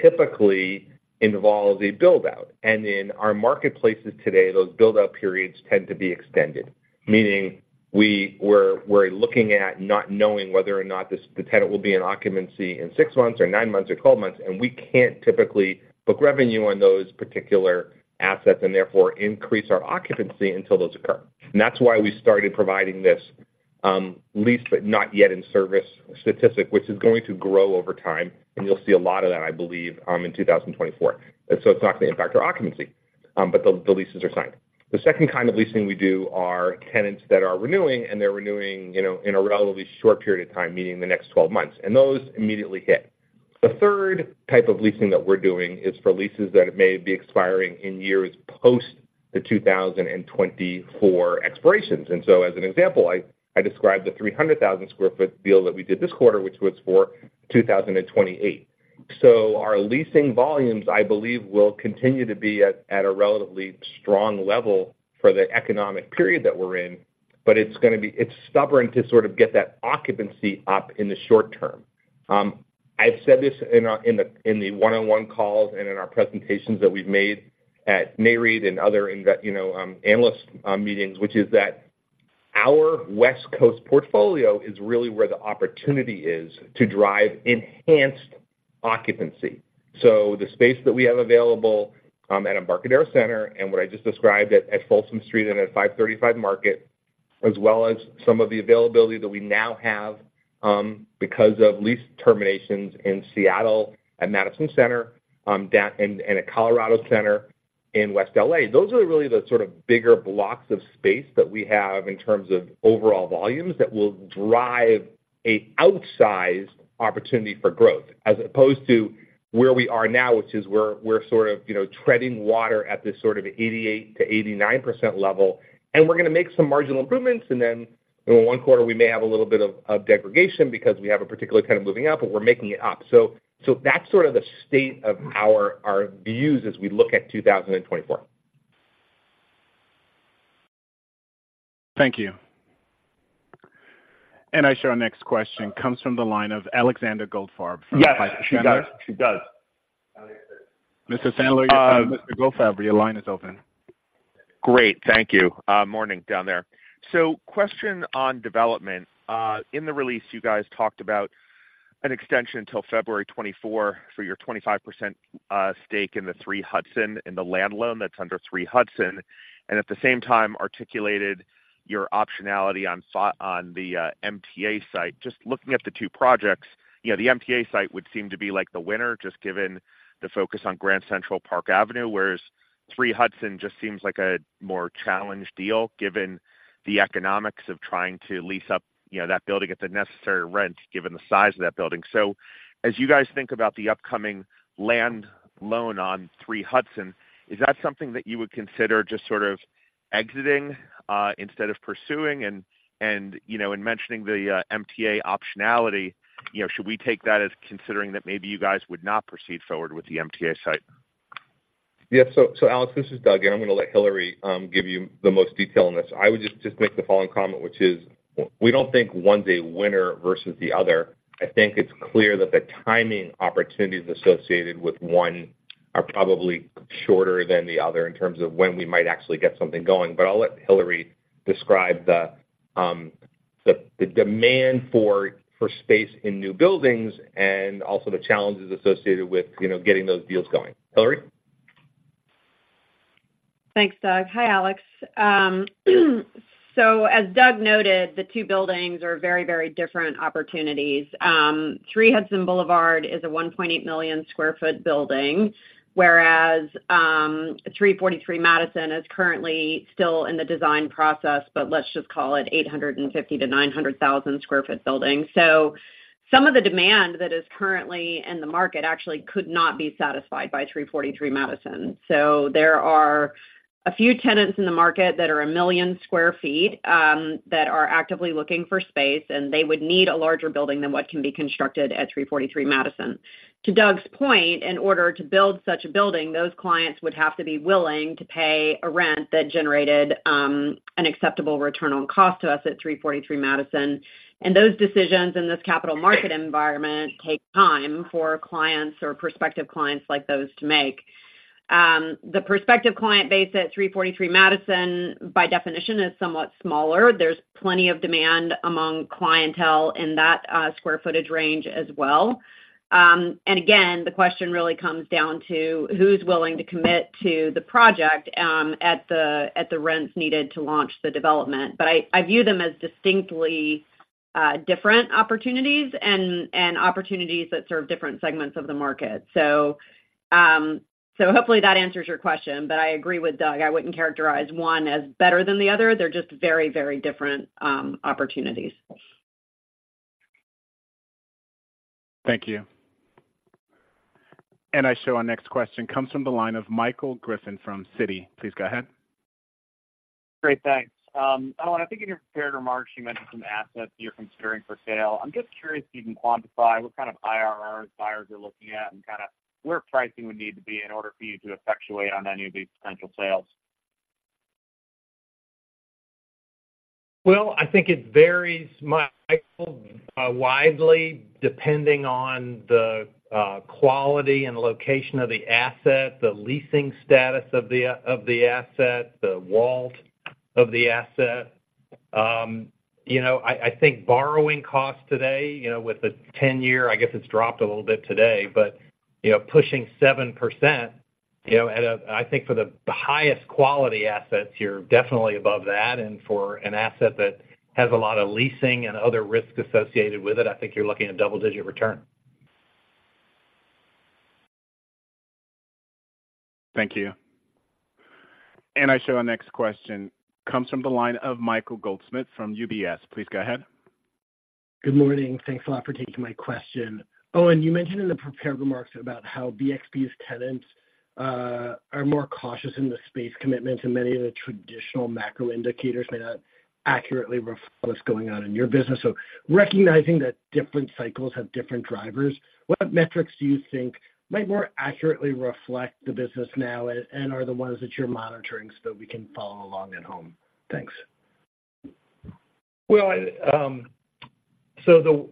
typically involves a build-out. And in our marketplaces today, those build-out periods tend to be extended, meaning we're looking at not knowing whether or not the tenant will be in occupancy in six months or nine months or 12 months, and we can't typically book revenue on those particular assets and therefore increase our occupancy until those occur. And that's why we started providing this leased but not yet in service statistic, which is going to grow over time, and you'll see a lot of that, I believe, in 2024. So it's not going to impact our occupancy, but the leases are signed. The second kind of leasing we do are tenants that are renewing, and they're renewing, you know, in a relatively short period of time, meaning the next 12 months, and those immediately hit. The third type of leasing that we're doing is for leases that may be expiring in years post the 2024 expirations. So, as an example, I described the 300,000 sq ft deal that we did this quarter, which was for 2028. So our leasing volumes, I believe, will continue to be at a relatively strong level for the economic period that we're in, but it's going to be. It's stubborn to sort of get that occupancy up in the short term. I've said this in our-- in the one-on-one calls and in our presentations that we've made at NAREIT and other invest-- you know, analyst meetings, which is that our West Coast portfolio is really where the opportunity is to drive enhanced occupancy. So the space that we have available at Embarcadero Center and what I just described at Folsom Street and at 535 Mission Street, as well as some of the availability that we now have because of lease terminations in Seattle and Madison Centre, down and at Colorado Center in West L.A. Those are really the sort of bigger blocks of space that we have in terms of overall volumes that will drive a outsized opportunity for growth, as opposed to where we are now, which is we're sort of, you know, treading water at this sort of 88%-89% level, and we're going to make some marginal improvements, and then in one quarter, we may have a little bit of degradation because we have a particular tenant moving out, but we're making it up. So that's sort of the state of our views as we look at 2024. Thank you. And I show our next question comes from the line of Alexander Goldfarb from- Yes, she does. She does. ...Piper Sandler, Mr. Goldfarb, your line is open. Great. Thank you. Morning down there. So question on development. In the release, you guys talked about an extension until February 2024 for your 25% stake in the 3 Hudson Boulevard, in the land loan that's under 3 Hudson, and at the same time articulated your optionality on the MTA site. Just looking at the two projects, you know, the MTA site would seem to be, like, the winner, just given the focus on Grand Central, Park Avenue, whereas 3 Hudson just seems like a more challenged deal, given the economics of trying to lease up, you know, that building at the necessary rent, given the size of that building. So as you guys think about the upcoming land loan on 3 Hudson, is that something that you would consider just sort of exiting instead of pursuing? You know, in mentioning the MTA optionality, you know, should we take that as considering that maybe you guys would not proceed forward with the MTA site? Yeah. So, Alex, this is Doug, and I'm gonna let Hilary give you the most detail on this. I would just make the following comment, which is, we don't think one's a winner versus the other. I think it's clear that the timing opportunities associated with one are probably shorter than the other in terms of when we might actually get something going. But I'll let Hilary describe the demand for space in new buildings and also the challenges associated with, you know, getting those deals going. Hilary? Thanks, Doug. Hi, Alex. As Doug noted, the two buildings are very, very different opportunities. 3 Hudson Boulevard is a 1.8 million sq ft building, whereas 343 Madison is currently still in the design process, but let's just call it 850,000-900,000 sq ft building. Some of the demand that is currently in the market actually could not be satisfied by 343 Madison. There are a few tenants in the market that are 1 million sq ft, that are actively looking for space, and they would need a larger building than what can be constructed at 343 Madison. To Doug's point, in order to build such a building, those clients would have to be willing to pay a rent that generated an acceptable return on cost to us at 343 Madison. Those decisions in this capital market environment take time for clients or prospective clients like those to make. The prospective client base at 343 Madison, by definition, is somewhat smaller. There's plenty of demand among clientele in that square footage range as well. And again, the question really comes down to who's willing to commit to the project at the rents needed to launch the development. But I view them as distinctly different opportunities and opportunities that serve different segments of the market. So hopefully that answers your question. But I agree with Doug, I wouldn't characterize one as better than the other. They're just very, very different, opportunities. Thank you. I show our next question comes from the line of Michael Griffin from Citi. Please go ahead. Great, thanks. Owen, I think in your prepared remarks, you mentioned some assets you're considering for sale. I'm just curious if you can quantify what kind of IRRs buyers are looking at, and kind of where pricing would need to be in order for you to effectuate on any of these potential sales? Well, I think it varies, Michael, widely, depending on the quality and location of the asset, the leasing status of the asset, the WALT of the asset. You know, I think borrowing costs today, you know, with the 10-year, I guess it's dropped a little bit today, but, you know, pushing 7%, you know, at a... I think for the highest quality assets, you're definitely above that, and for an asset that has a lot of leasing and other risk associated with it, I think you're looking at double-digit return. Thank you. Our next question comes from the line of Michael Goldsmith from UBS. Please go ahead. Good morning. Thanks a lot for taking my question. Owen, you mentioned in the prepared remarks about how BXP's tenants are more cautious in the space commitment, and many of the traditional macro indicators may not accurately reflect what's going on in your business. So recognizing that different cycles have different drivers, what metrics do you think might more accurately reflect the business now, and are the ones that you're monitoring so we can follow along at home? Thanks. Well,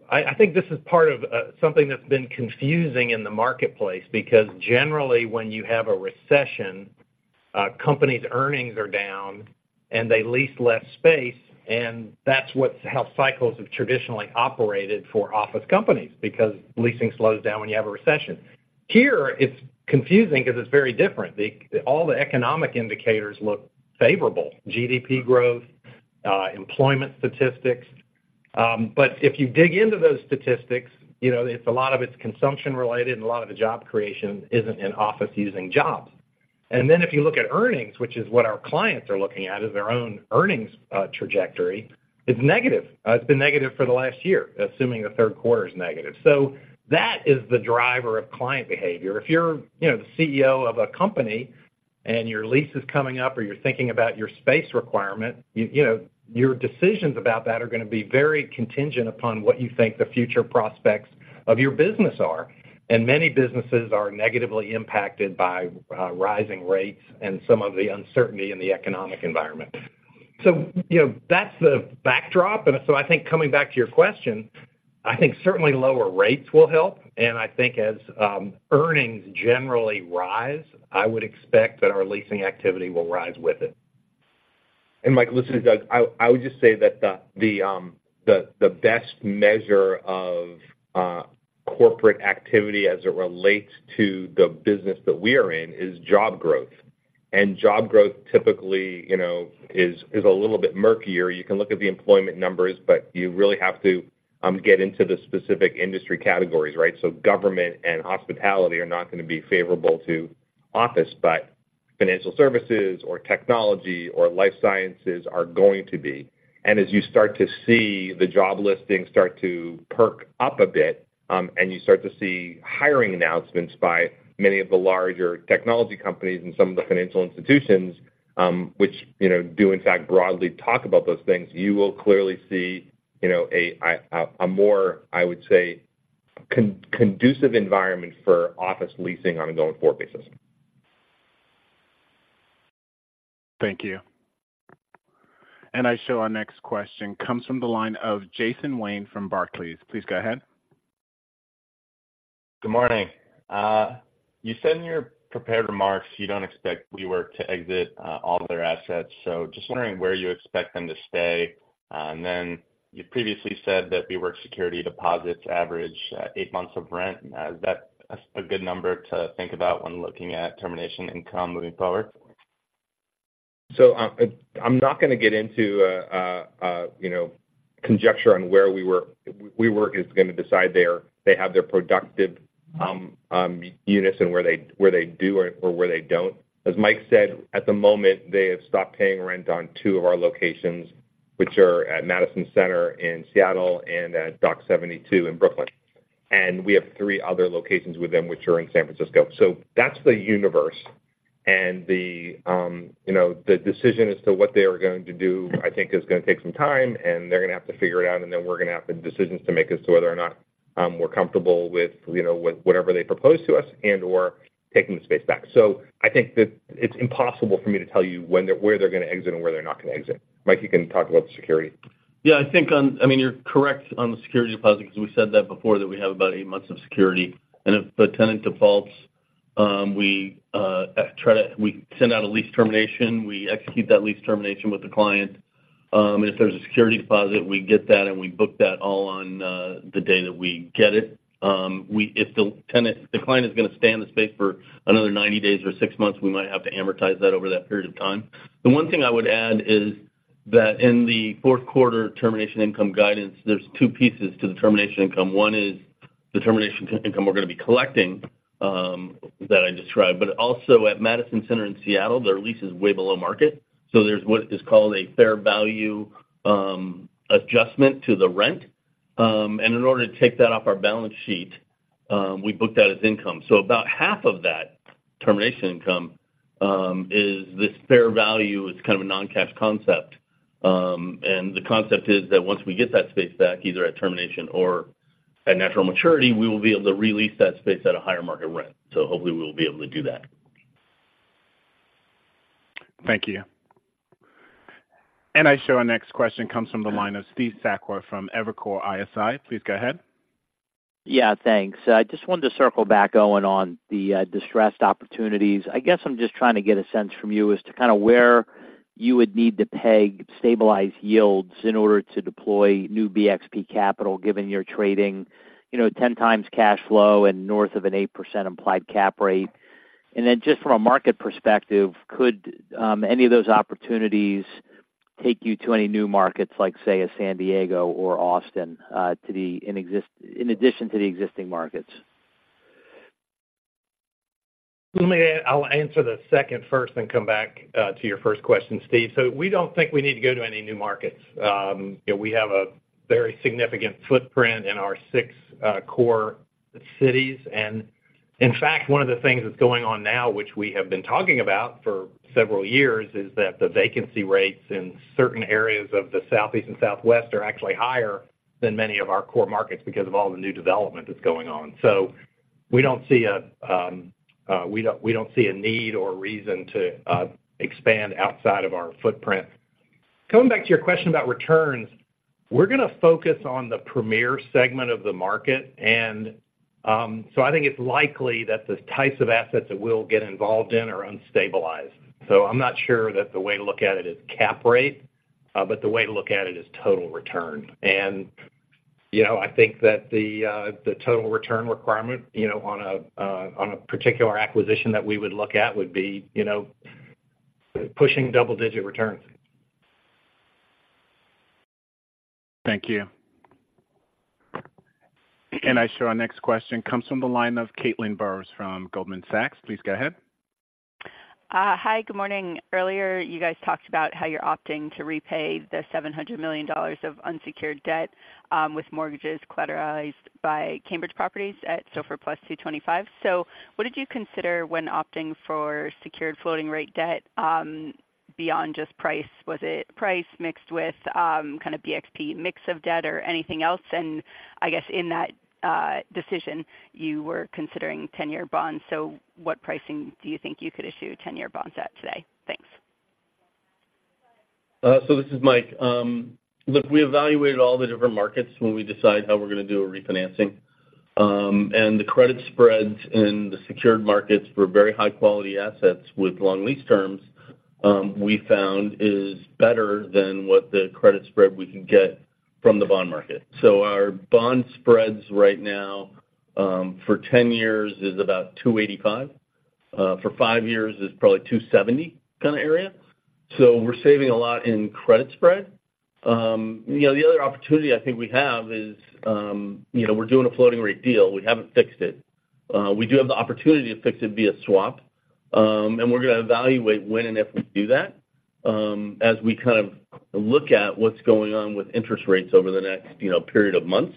I think this is part of something that's been confusing in the marketplace, because generally, when you have a recession, companies' earnings are down, and they lease less space, and that's how cycles have traditionally operated for office companies, because leasing slows down when you have a recession. Here, it's confusing because it's very different. All the economic indicators look favorable: GDP growth, employment statistics. But if you dig into those statistics, you know, it's a lot of it's consumption-related, and a lot of the job creation isn't in office-using jobs. And then, if you look at earnings, which is what our clients are looking at, is their own earnings trajectory, it's negative. It's been negative for the last year, assuming the third quarter is negative. So that is the driver of client behavior. If you're, you know, the CEO of a company, and your lease is coming up, or you're thinking about your space requirement, you know, your decisions about that are gonna be very contingent upon what you think the future prospects of your business are. And many businesses are negatively impacted by rising rates and some of the uncertainty in the economic environment. So, you know, that's the backdrop. And so I think coming back to your question, I think certainly lower rates will help. And I think as earnings generally rise, I would expect that our leasing activity will rise with it. Mike, this is Doug. I would just say that the best measure of corporate activity as it relates to the business that we are in is job growth. Job growth, typically, you know, is a little bit murkier. You can look at the employment numbers, but you really have to get into the specific industry categories, right? So government and hospitality are not gonna be favorable to office, but financial services or technology or life sciences are going to be. As you start to see the job listings start to perk up a bit, and you start to see hiring announcements by many of the larger technology companies and some of the financial institutions, which, you know, do, in fact, broadly talk about those things, you will clearly see, you know, a more, I would say, conducive environment for office leasing on a going-forward basis. Thank you. And I show our next question comes from the line of Jason Wayne from Barclays. Please go ahead. Good morning. You said in your prepared remarks, you don't expect WeWork to exit all of their assets. So just wondering where you expect them to stay. And then, you previously said that WeWork security deposits average eight months of rent. Is that a good number to think about when looking at termination income moving forward? So, I'm not gonna get into, a, you know, conjecture on where WeWork-WeWork is gonna decide their-they have their productive units and where they, where they do or, or where they don't. As Mike said, at the moment, they have stopped paying rent on two of our locations, which are at Madison Centre in Seattle and at Dock 72 in Brooklyn. And we have three other locations with them, which are in San Francisco. So that's the universe. And the, you know, the decision as to what they are going to do, I think, is gonna take some time, and they're gonna have to figure it out, and then we're gonna have the decisions to make as to whether or not, we're comfortable with, you know, with whatever they propose to us and/or taking the space back. So I think that it's impossible for me to tell you when they're where they're gonna exit and where they're not gonna exit. Mike, you can talk about the security. Yeah, I think on—I mean, you're correct on the security deposit, because we said that before, that we have about eight months of security. And if a tenant defaults, we send out a lease termination, we execute that lease termination with the client. And if there's a security deposit, we get that, and we book that all on the day that we get it. If the tenant—the client is gonna stay in the space for another 90 days or six months, we might have to amortize that over that period of time. The one thing I would add is that in the fourth quarter termination income guidance, there's two pieces to the termination income. One is the termination income we're gonna be collecting, that I described, but also at Madison Centre in Seattle, their lease is way below market, so there's what is called a fair value adjustment to the rent. And in order to take that off our balance sheet, we book that as income. So about half of that termination income is this fair value. It's kind of a non-cash concept. And the concept is that once we get that space back, either at termination or at natural maturity, we will be able to re-lease that space at a higher market rent. So hopefully, we'll be able to do that. Thank you. I show our next question comes from the line of Steve Sakwa from Evercore ISI. Please go ahead. Yeah, thanks. I just wanted to circle back, Owen, on the distressed opportunities. I guess I'm just trying to get a sense from you as to kind of where you would need to peg stabilized yields in order to deploy new BXP capital, given you're trading, you know, 10x cash flow and north of an 8% implied cap rate. And then, just from a market perspective, could any of those opportunities take you to any new markets, like say, a San Diego or Austin, to the in addition to the existing markets? I'll answer the second first, and then come back to your first question, Steve. So we don't think we need to go to any new markets. You know, we have a very significant footprint in our six core cities. And in fact, one of the things that's going on now, which we have been talking about for several years, is that the vacancy rates in certain areas of the Southeast and Southwest are actually higher than many of our core markets, because of all the new development that's going on. So we don't see a need or reason to expand outside of our footprint. Coming back to your question about returns, we're gonna focus on the premier segment of the market, and, so I think it's likely that the types of assets that we'll get involved in are unstabilized. So I'm not sure that the way to look at it is cap rate, but the way to look at it is total return. And, you know, I think that the, the total return requirement, you know, on a, on a particular acquisition that we would look at would be, you know, pushing double-digit returns. Thank you. I show our next question comes from the line of Caitlin Burrows from Goldman Sachs. Please go ahead. Hi, good morning. Earlier, you guys talked about how you're opting to repay the $700 million of unsecured debt with mortgages collateralized by Cambridge Properties at SOFR + 225. So what did you consider when opting for secured floating rate debt beyond just price? Was it price mixed with kind of BXP mix of debt or anything else? And I guess in that decision, you were considering 10-year bonds, so what pricing do you think you could issue 10-year bonds at today? Thanks. So this is Mike. Look, we evaluated all the different markets when we decide how we're gonna do a refinancing. And the credit spreads in the secured markets for very high-quality assets with long lease terms, we found is better than what the credit spread we can get from the bond market. So our bond spreads right now, for 10 years is about 285. For five years is probably 270 kind of area. So we're saving a lot in credit spread. You know, the other opportunity I think we have is, you know, we're doing a floating rate deal. We haven't fixed it. We do have the opportunity to fix it via swap, and we're gonna evaluate when and if we do that, as we kind of look at what's going on with interest rates over the next, you know, period of months.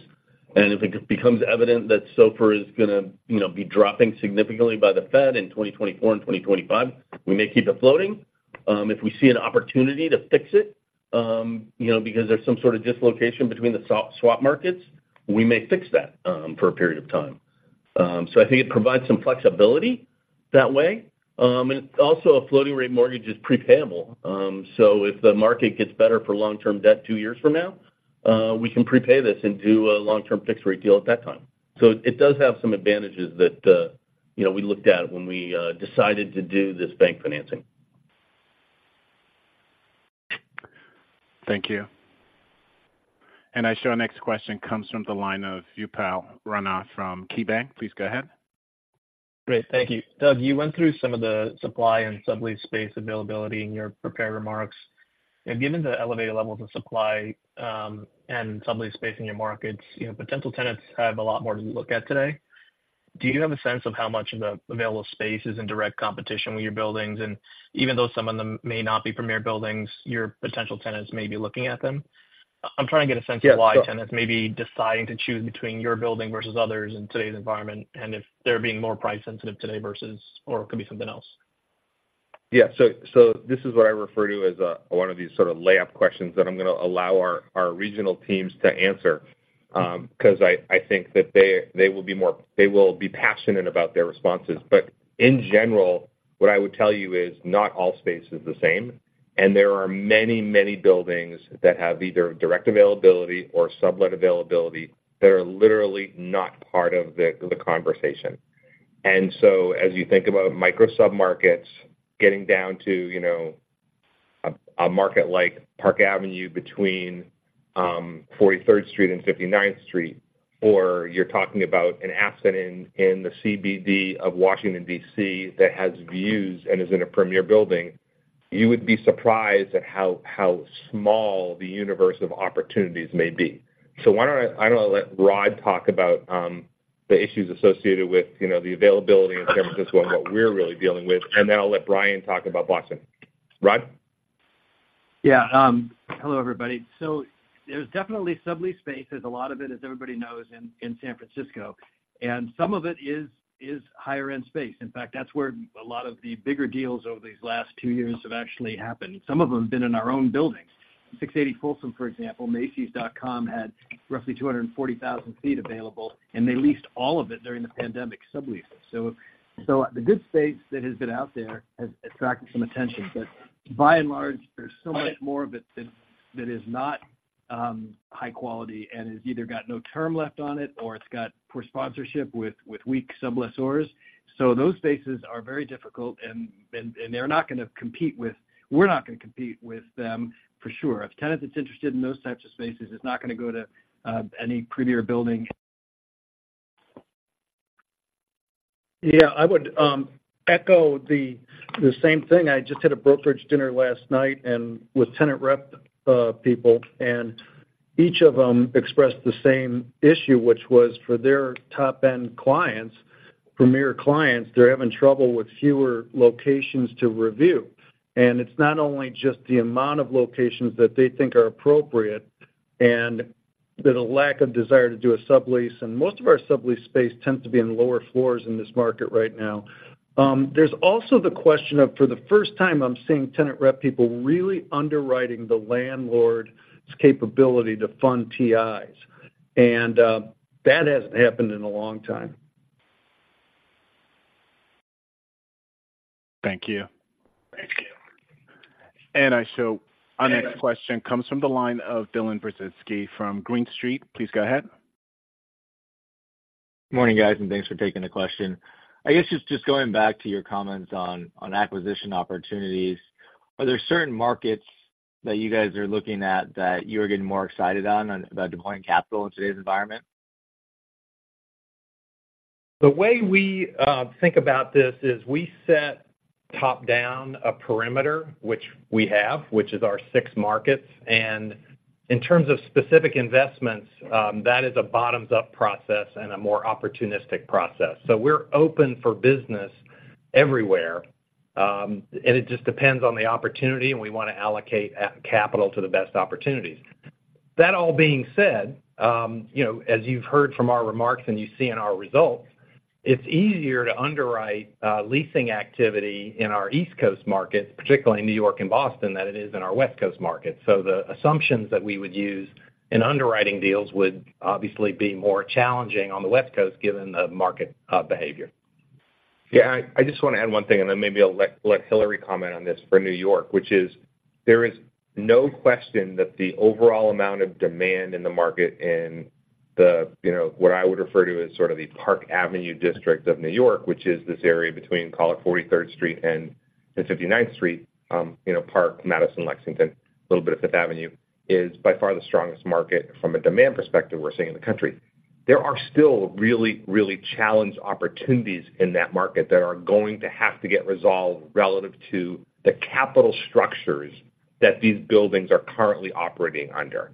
And if it becomes evident that SOFR is gonna, you know, be dropping significantly by the Fed in 2024 and 2025, we may keep it floating. If we see an opportunity to fix it, you know, because there's some sort of dislocation between the swap markets, we may fix that for a period of time. So I think it provides some flexibility that way. And also, a floating rate mortgage is prepayable. So if the market gets better for long-term debt two years from now, we can prepay this and do a long-term fixed rate deal at that time. It does have some advantages that, you know, we looked at when we decided to do this bank financing. Thank you. And our next question comes from the line of Upal Rana from KeyBanc. Please go ahead. Great. Thank you. Doug, you went through some of the supply and sublease space availability in your prepared remarks. And given the elevated levels of supply, and sublease space in your markets, you know, potential tenants have a lot more to look at today. Do you have a sense of how much of the available space is in direct competition with your buildings? And even though some of them may not be premier buildings, your potential tenants may be looking at them. I'm trying to get a sense of why tenants may be deciding to choose between your building versus others in today's environment, and if they're being more price sensitive today versus, or it could be something else. Yeah. So, so this is what I refer to as one of these sort of layup questions that I'm gonna allow our, our regional teams to answer, 'cause I, I think that they, they will be more, they will be passionate about their responses. But in general, what I would tell you is not all space is the same, and there are many, many buildings that have either direct availability or sublet availability that are literally not part of the, the conversation. And so as you think about micro submarkets, getting down to, you know, a, a market like Park Avenue between 43rd Street and 59th Street, or you're talking about an asset in, in the CBD of Washington, D.C., that has views and is in a premier building, you would be surprised at how, how small the universe of opportunities may be. So why don't I. I'm gonna let Rod talk about the issues associated with, you know, the availability in San Francisco and what we're really dealing with, and then I'll let Bryan talk about Boston. Rod? Yeah. Hello, everybody. So there's definitely sublease space. There's a lot of it, as everybody knows, in San Francisco, and some of it is higher-end space. In fact, that's where a lot of the bigger deals over these last two years have actually happened. Some of them have been in our own buildings. 680 Folsom, for example, Macy's.com, had roughly 240,000 sq ft available, and they leased all of it during the pandemic, subleases. So the good space that has been out there has attracted some attention. But by and large, there's so much more of it that is not high quality and has either got no term left on it or it's got poor sponsorship with weak sublessors. So those spaces are very difficult, and they're not gonna compete with, we're not gonna compete with them, for sure. A tenant that's interested in those types of spaces is not gonna go to any premier building. Yeah, I would echo the same thing. I just had a brokerage dinner last night and with tenant rep people, and each of them expressed the same issue, which was for their top-end clients, premier clients, they're having trouble with fewer locations to review. And it's not only just the amount of locations that they think are appropriate and that a lack of desire to do a sublease, and most of our sublease space tends to be in lower floors in this market right now. There's also the question of, for the first time, I'm seeing tenant rep people really underwriting the landlord's capability to fund TIs, and that hasn't happened in a long time. Thank you. Thank you. Our next question comes from the line of Dylan Burzinski from Green Street. Please go ahead. Morning, guys, and thanks for taking the question. I guess just going back to your comments on acquisition opportunities, are there certain markets that you guys are looking at that you are getting more excited about deploying capital in today's environment? The way we think about this is we set top-down a perimeter, which we have, which is our six markets. In terms of specific investments, that is a bottoms-up process and a more opportunistic process. So we're open for business everywhere, and it just depends on the opportunity, and we want to allocate capital to the best opportunities. That all being said, you know, as you've heard from our remarks and you see in our results, it's easier to underwrite leasing activity in our East Coast markets, particularly in New York and Boston, than it is in our West Coast markets. So the assumptions that we would use in underwriting deals would obviously be more challenging on the West Coast, given the market behavior. Yeah, I just want to add one thing, and then maybe I'll let Hilary comment on this for New York, which is there is no question that the overall amount of demand in the market in the, you know, what I would refer to as sort of the Park Avenue District of New York, which is this area between call it 43rd Street and 59th Street, you know, Park, Madison, Lexington, a little bit of Fifth Avenue, is by far the strongest market from a demand perspective we're seeing in the country. There are still really, really challenged opportunities in that market that are going to have to get resolved relative to the capital structures that these buildings are currently operating under.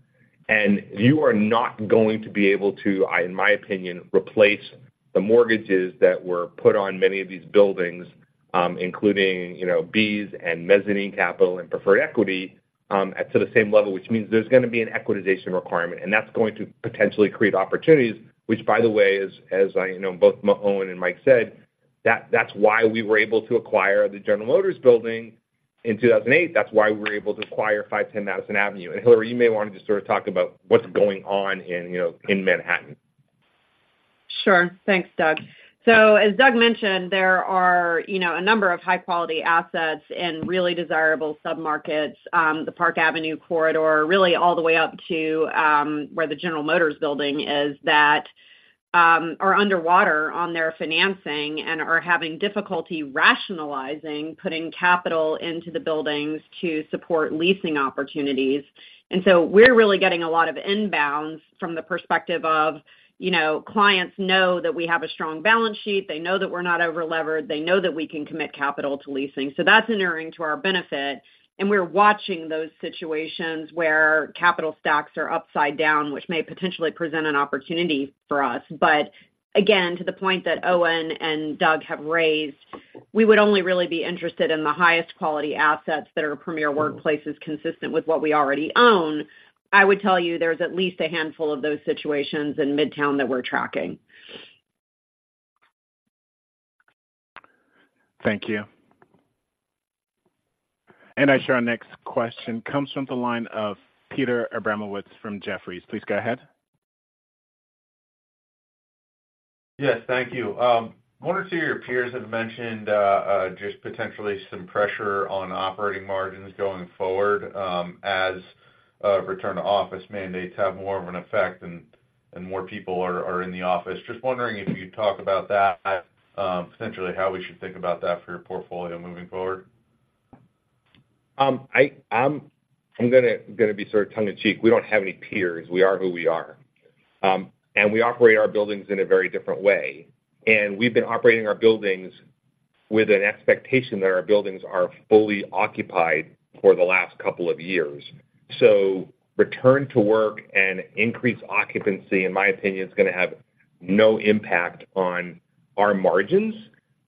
You are not going to be able to, I—in my opinion, replace the mortgages that were put on many of these buildings, including, you know, B's and mezzanine capital and preferred equity, at to the same level, which means there's going to be an equitization requirement, and that's going to potentially create opportunities, which, by the way, as, as I know, both Owen and Mike said, that's why we were able to acquire the General Motors Building in 2008. That's why we were able to acquire 510 Madison Avenue. Hilary, you may want to just sort of talk about what's going on in, you know, in Manhattan. Sure. Thanks, Doug. So as Doug mentioned, there are, you know, a number of high-quality assets in really desirable submarkets, the Park Avenue corridor, really all the way up to where the General Motors Building is, that are underwater on their financing and are having difficulty rationalizing, putting capital into the buildings to support leasing opportunities. And so we're really getting a lot of inbounds from the perspective of, you know, clients know that we have a strong balance sheet, they know that we're not over-levered, they know that we can commit capital to leasing. So that's inuring to our benefit, and we're watching those situations where capital stacks are upside down, which may potentially present an opportunity for us. But again, to the point that Owen and Doug have raised, we would only really be interested in the highest quality assets that are Premier workplaces, consistent with what we already own. I would tell you there's at least a handful of those situations in Midtown that we're tracking. Thank you. And I show our next question comes from the line of Peter Abramowitz from Jefferies. Please go ahead. Yes, thank you. One or two of your peers have mentioned just potentially some pressure on operating margins going forward, as return-to-office mandates have more of an effect and more people are in the office. Just wondering if you could talk about that, potentially how we should think about that for your portfolio moving forward? I'm gonna be sort of tongue in cheek. We don't have any peers. We are who we are. And we operate our buildings in a very different way, and we've been operating our buildings with an expectation that our buildings are fully occupied for the last couple of years. So return to work and increase occupancy, in my opinion, is gonna have no impact on our margins.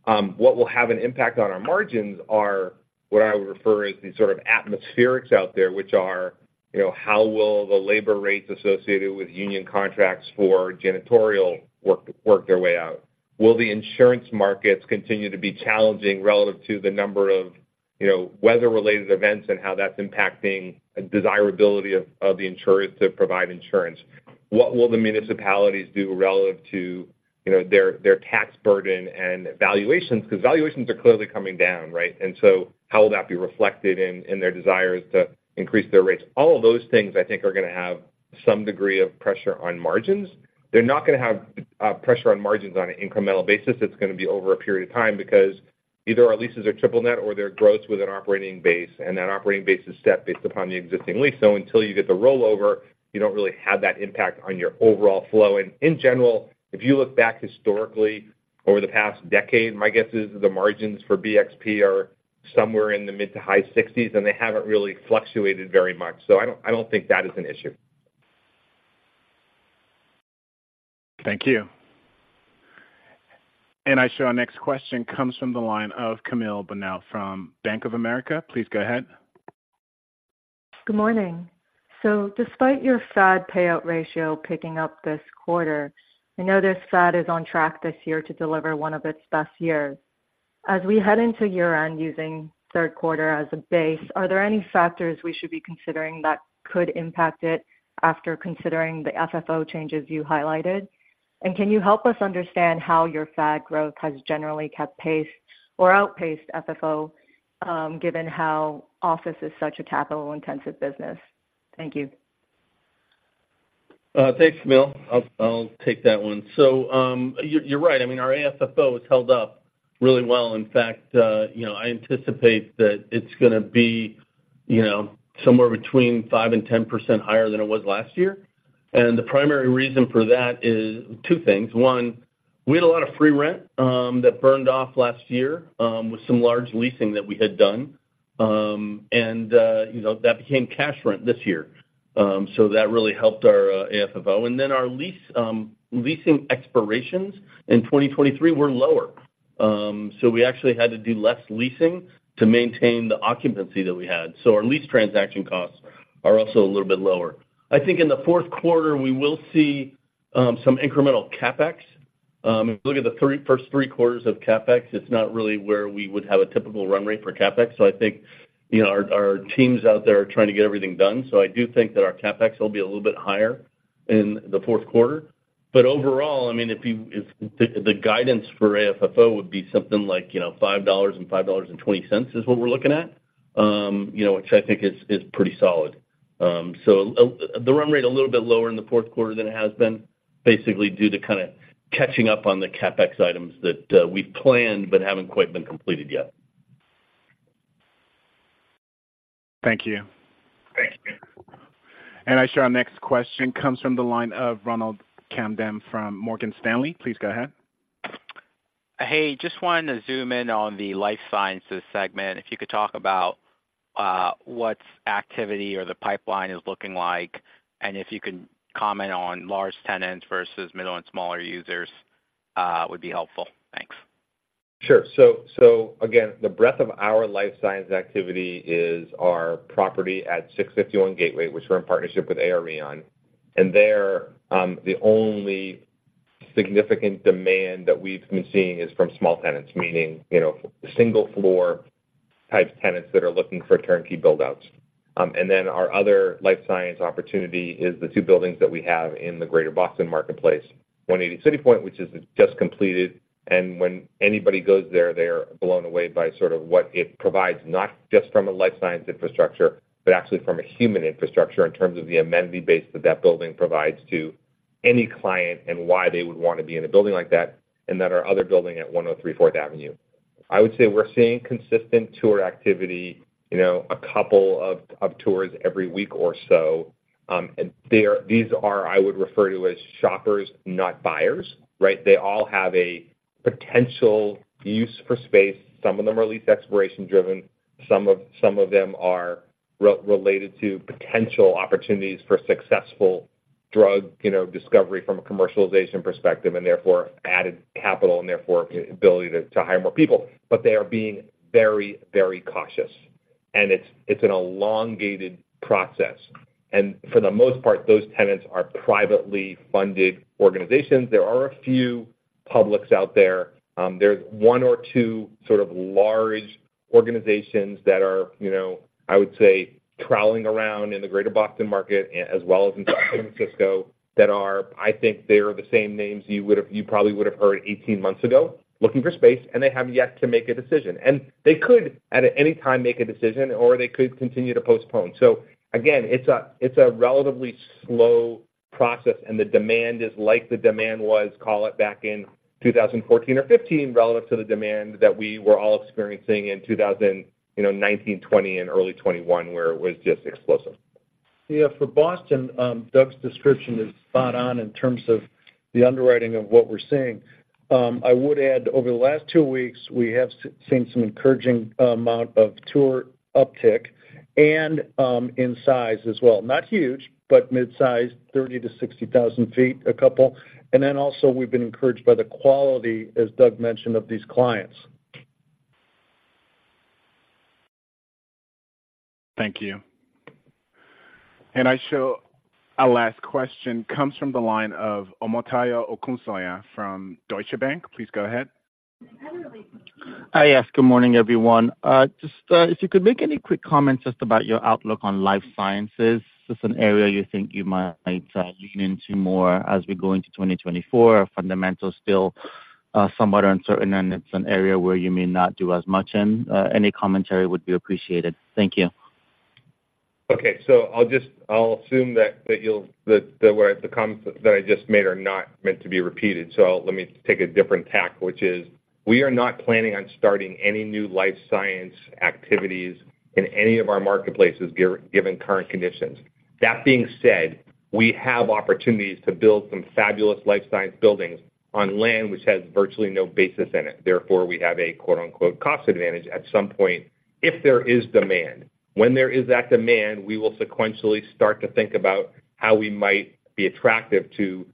What will have an impact on our margins are what I would refer as the sort of atmospherics out there, which are, you know, how will the labor rates associated with union contracts for janitorial work, work their way out? Will the insurance markets continue to be challenging relative to the number of, you know, weather-related events and how that's impacting the desirability of, of the insurers to provide insurance? What will the municipalities do relative to, you know, their, their tax burden and valuations? Because valuations are clearly coming down, right? And so how will that be reflected in, in their desires to increase their rates? All of those things, I think, are gonna have some degree of pressure on margins. They're not gonna have pressure on margins on an incremental basis. It's gonna be over a period of time, because either our leases are triple net or they're gross with an operating base, and that operating base is set based upon the existing lease. So until you get the rollover, you don't really have that impact on your overall flow. And in general, if you look back historically over the past decade, my guess is the margins for BXP are somewhere in the mid to high sixties, and they haven't really fluctuated very much. I don't think that is an issue. Thank you. And our next question comes from the line of Camille Bonnel from Bank of America. Please go ahead. Good morning. So despite your FAD payout ratio picking up this quarter, I know this FAD is on track this year to deliver one of its best years. As we head into year-end, using third quarter as a base, are there any factors we should be considering that could impact it after considering the FFO changes you highlighted? And can you help us understand how your FAD growth has generally kept pace or outpaced FFO, given how office is such a capital-intensive business? Thank you. Thanks, Camille. I'll take that one. So, you're right. I mean, our AFFO has held up really well. In fact, you know, I anticipate that it's gonna be, you know, somewhere between 5%-10% higher than it was last year. And the primary reason for that is two things: One, we had a lot of free rent that burned off last year with some large leasing that we had done. And, you know, that became cash rent this year. So that really helped our AFFO. And then our lease leasing expirations in 2023 were lower. So we actually had to do less leasing to maintain the occupancy that we had. So our lease transaction costs are also a little bit lower. I think in the fourth quarter, we will see some incremental CapEx. If you look at the first three quarters of CapEx, it's not really where we would have a typical run rate for CapEx. So I think, you know, our teams out there are trying to get everything done. So I do think that our CapEx will be a little bit higher in the fourth quarter. But overall, I mean, if the guidance for AFFO would be something like, you know, $5 and $5.20 is what we're looking at, you know, which I think is pretty solid. So the run rate a little bit lower in the fourth quarter than it has been, basically due to kind of catching up on the CapEx items that we've planned but haven't quite been completed yet. Thank you. Our next question comes from the line of Ronald Kamdem from Morgan Stanley. Please go ahead. Hey, just wanted to zoom in on the life sciences segment. If you could talk about, what's activity or the pipeline is looking like, and if you can comment on large tenants versus middle and smaller users, would be helpful. Thanks. Sure. So again, the breadth of our life science activity is our property at 651 Gateway, which we're in partnership with Ares. And there, the only significant demand that we've been seeing is from small tenants, meaning, you know, single floor type tenants that are looking for turnkey build-outs. And then our other life science opportunity is the two buildings that we have in the greater Boston marketplace, 180 CityPoint, which is just completed. And when anybody goes there, they are blown away by sort of what it provides, not just from a life science infrastructure, but actually from a human infrastructure in terms of the amenity base that that building provides to any client and why they would want to be in a building like that, and then our other building at 103 Fourth Avenue. I would say we're seeing consistent tour activity, you know, a couple of tours every week or so. And they are, these are, I would refer to as shoppers, not buyers, right? They all have a potential use for space. Some of them are lease expiration driven, some of them are related to potential opportunities for successful drug, you know, discovery from a commercialization perspective, and therefore, added capital and therefore ability to hire more people. But they are being very, very cautious, and it's an elongated process. And for the most part, those tenants are privately funded organizations. There are a few publics out there. There's one or two sort of large organizations that are, you know, I would say, trawling around in the greater Boston market as well as in San Francisco, that are... I think they are the same names you would have—you probably would have heard 18 months ago, looking for space, and they have yet to make a decision. And they could, at any time, make a decision, or they could continue to postpone. So again, it's a, it's a relatively slow process, and the demand is like the demand was, call it, back in 2014 or 2015, relevant to the demand that we were all experiencing in 2019, you know, 2020 and early 2021, where it was just explosive. Yeah, for Boston, Doug's description is spot on in terms of the underwriting of what we're seeing. I would add, over the last two weeks, we have seen some encouraging amount of tour uptick and in size as well. Not huge, but mid-size, 30-60,000 sq ft, a couple. And then also, we've been encouraged by the quality, as Doug mentioned, of these clients. Thank you. I show our last question comes from the line of Omotayo Okusanya from Deutsche Bank. Please go ahead. Hi, yes, good morning, everyone. Just, if you could make any quick comments just about your outlook on life sciences, is this an area you think you might lean into more as we go into 2024? Are fundamentals still somewhat uncertain, and it's an area where you may not do as much in? Any commentary would be appreciated. Thank you. Okay. So I'll assume that the comments that I just made are not meant to be repeated. So let me take a different tack, which is: we are not planning on starting any new life science activities in any of our marketplaces given current conditions. That being said, we have opportunities to build some fabulous life science buildings on land which has virtually no basis in it. Therefore, we have a, quote, unquote, "cost advantage" at some point, if there is demand. When there is that demand, we will sequentially start to think about how we might be attractive to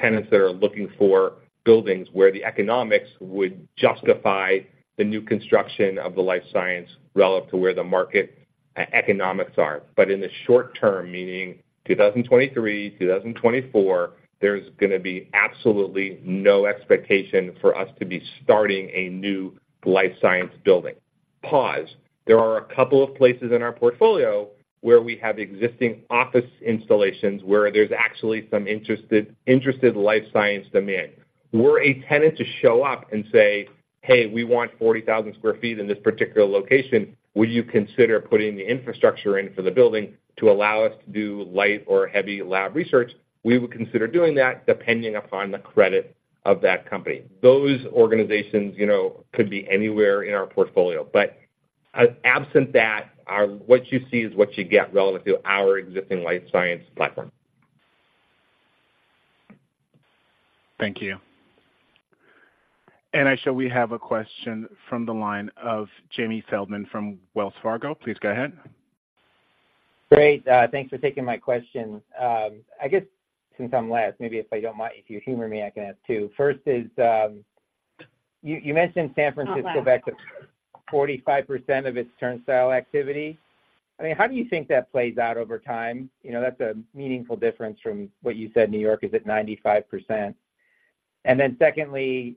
tenants that are looking for buildings, where the economics would justify the new construction of the life science relative to where the market economics are. But in the short term, meaning 2023, 2024, there's gonna be absolutely no expectation for us to be starting a new life science building. There are a couple of places in our portfolio where we have existing office installations, where there's actually some interested life science demand. Were a tenant to show up and say, "Hey, we want 40,000 sq ft in this particular location, would you consider putting the infrastructure in for the building to allow us to do light or heavy lab research?" We would consider doing that, depending upon the credit of that company. Those organizations, you know, could be anywhere in our portfolio. But absent that, what you see is what you get relevant to our existing life science platform. Thank you. And I show we have a question from the line of Jamie Feldman from Wells Fargo. Please go ahead. Great, thanks for taking my question. I guess since I'm last, maybe if I don't mind, if you humor me, I can ask two. First is, you mentioned San Francisco back to 45% of its turnstile activity. I mean, how do you think that plays out over time? You know, that's a meaningful difference from what you said New York is at 95%... And then secondly,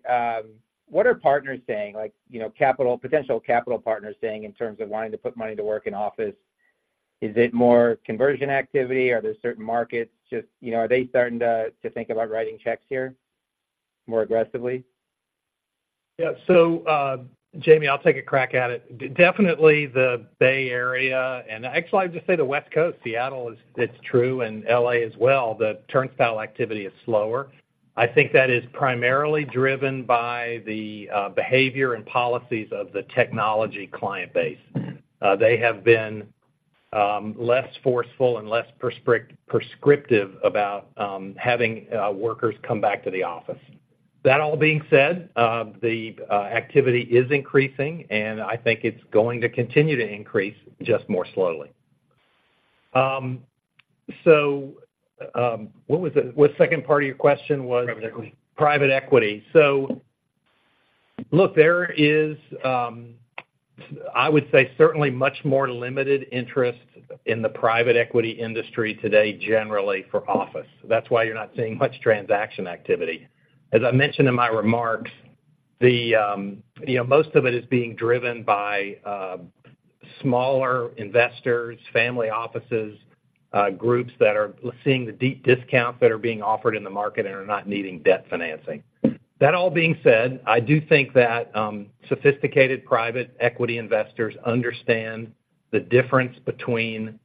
what are partners saying? Like, you know, capital potential capital partners saying in terms of wanting to put money to work in office. Is it more conversion activity? Are there certain markets just, you know, are they starting to think about writing checks here more aggressively? Yeah. So, Jamie, I'll take a crack at it. Definitely the Bay Area and actually, I'd just say the West Coast, Seattle is, it's true, and L.A. as well, the turnstile activity is slower. I think that is primarily driven by the behavior and policies of the technology client base. They have been less forceful and less prescriptive about having workers come back to the office. That all being said, the activity is increasing, and I think it's going to continue to increase, just more slowly. So, what was the... What second part of your question was? Private equity. Private equity. So look, there is, I would say, certainly much more limited interest in the private equity industry today, generally for office. That's why you're not seeing much transaction activity. As I mentioned in my remarks, the, you know, most of it is being driven by, smaller investors, family offices, groups that are seeing the deep discounts that are being offered in the market and are not needing debt financing. That all being said, I do think that, sophisticated private equity investors understand the difference between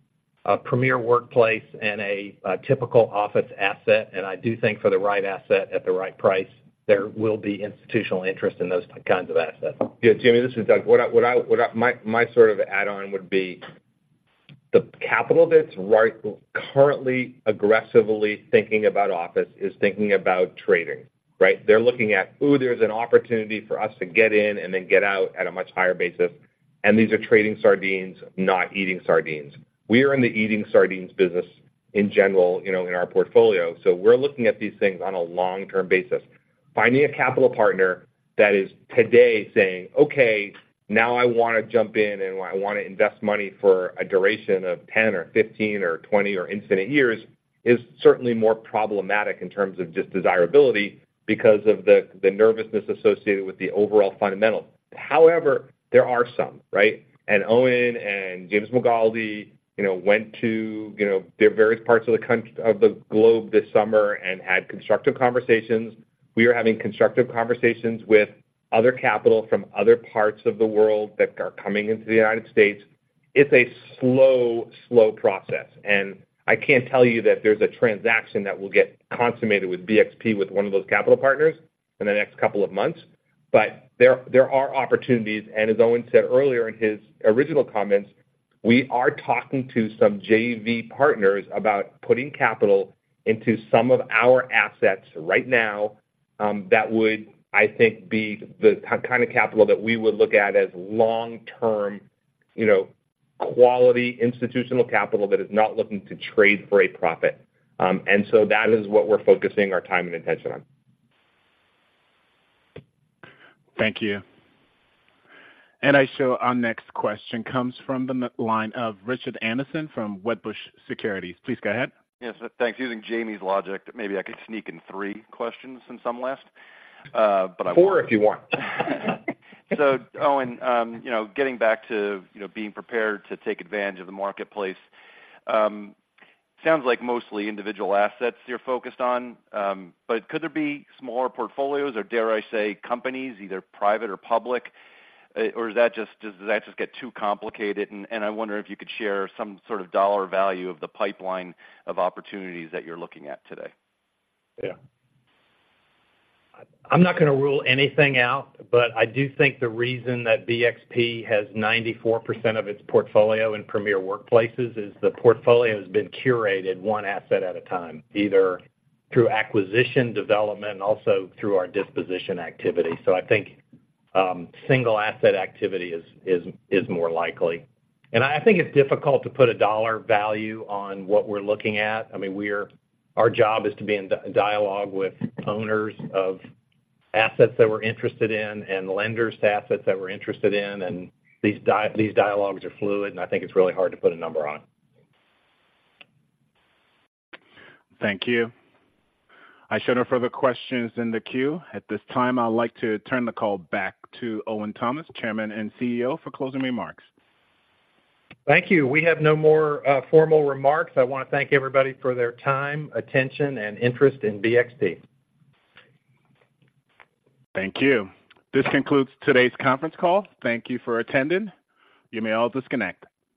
a premier workplace and a, typical office asset. And I do think for the right asset at the right price, there will be institutional interest in those kinds of assets. Yeah, Jamie, this is Doug. What my sort of add-on would be, the capital that's right, currently aggressively thinking about office, is thinking about trading, right? They're looking at, "Ooh, there's an opportunity for us to get in and then get out at a much higher basis." And these are trading sardines, not eating sardines. We are in the eating sardines business in general, you know, in our portfolio. So we're looking at these things on a long-term basis. Finding a capital partner that is today saying, "Okay, now I wanna jump in, and I wanna invest money for a duration of 10 or 15 or 20 or infinite years," is certainly more problematic in terms of just desirability because of the nervousness associated with the overall fundamentals. However, there are some, right? Owen and James Magaldi, you know, went to, you know, their various parts of the country of the globe this summer and had constructive conversations. We are having constructive conversations with other capital from other parts of the world that are coming into the United States. It's a slow, slow process, and I can't tell you that there's a transaction that will get consummated with BXP, with one of those capital partners in the next couple of months. But there, there are opportunities, and as Owen said earlier in his original comments, we are talking to some JV partners about putting capital into some of our assets right now, that would, I think, be the kind of capital that we would look at as long-term, you know, quality, institutional capital that is not looking to trade for a profit. That is what we're focusing our time and attention on. Thank you. Our next question comes from the line of Richard Anderson from Wedbush Securities. Please go ahead. Yes, thanks. Using Jamie's logic, maybe I could sneak in three questions in some last, but I- four, if you want. So, Owen, you know, getting back to, you know, being prepared to take advantage of the marketplace. Sounds like mostly individual assets you're focused on, but could there be smaller portfolios, or dare I say, companies, either private or public, or is that just - does that just get too complicated? And I wonder if you could share some sort of dollar value of the pipeline of opportunities that you're looking at today. Yeah. I'm not gonna rule anything out, but I do think the reason that BXP has 94% of its portfolio in premier workplaces is the portfolio has been curated one asset at a time, either through acquisition development and also through our disposition activity. So I think single asset activity is more likely. And I think it's difficult to put a dollar value on what we're looking at. I mean, we're our job is to be in dialogue with owners of assets that we're interested in and lenders to assets that we're interested in, and these dialogues are fluid, and I think it's really hard to put a number on. Thank you. I show no further questions in the queue. At this time, I'd like to turn the call back to Owen Thomas, Chairman and CEO, for closing remarks. Thank you. We have no more, formal remarks. I wanna thank everybody for their time, attention, and interest in BXP. Thank you. This concludes today's conference call. Thank you for attending. You may all disconnect.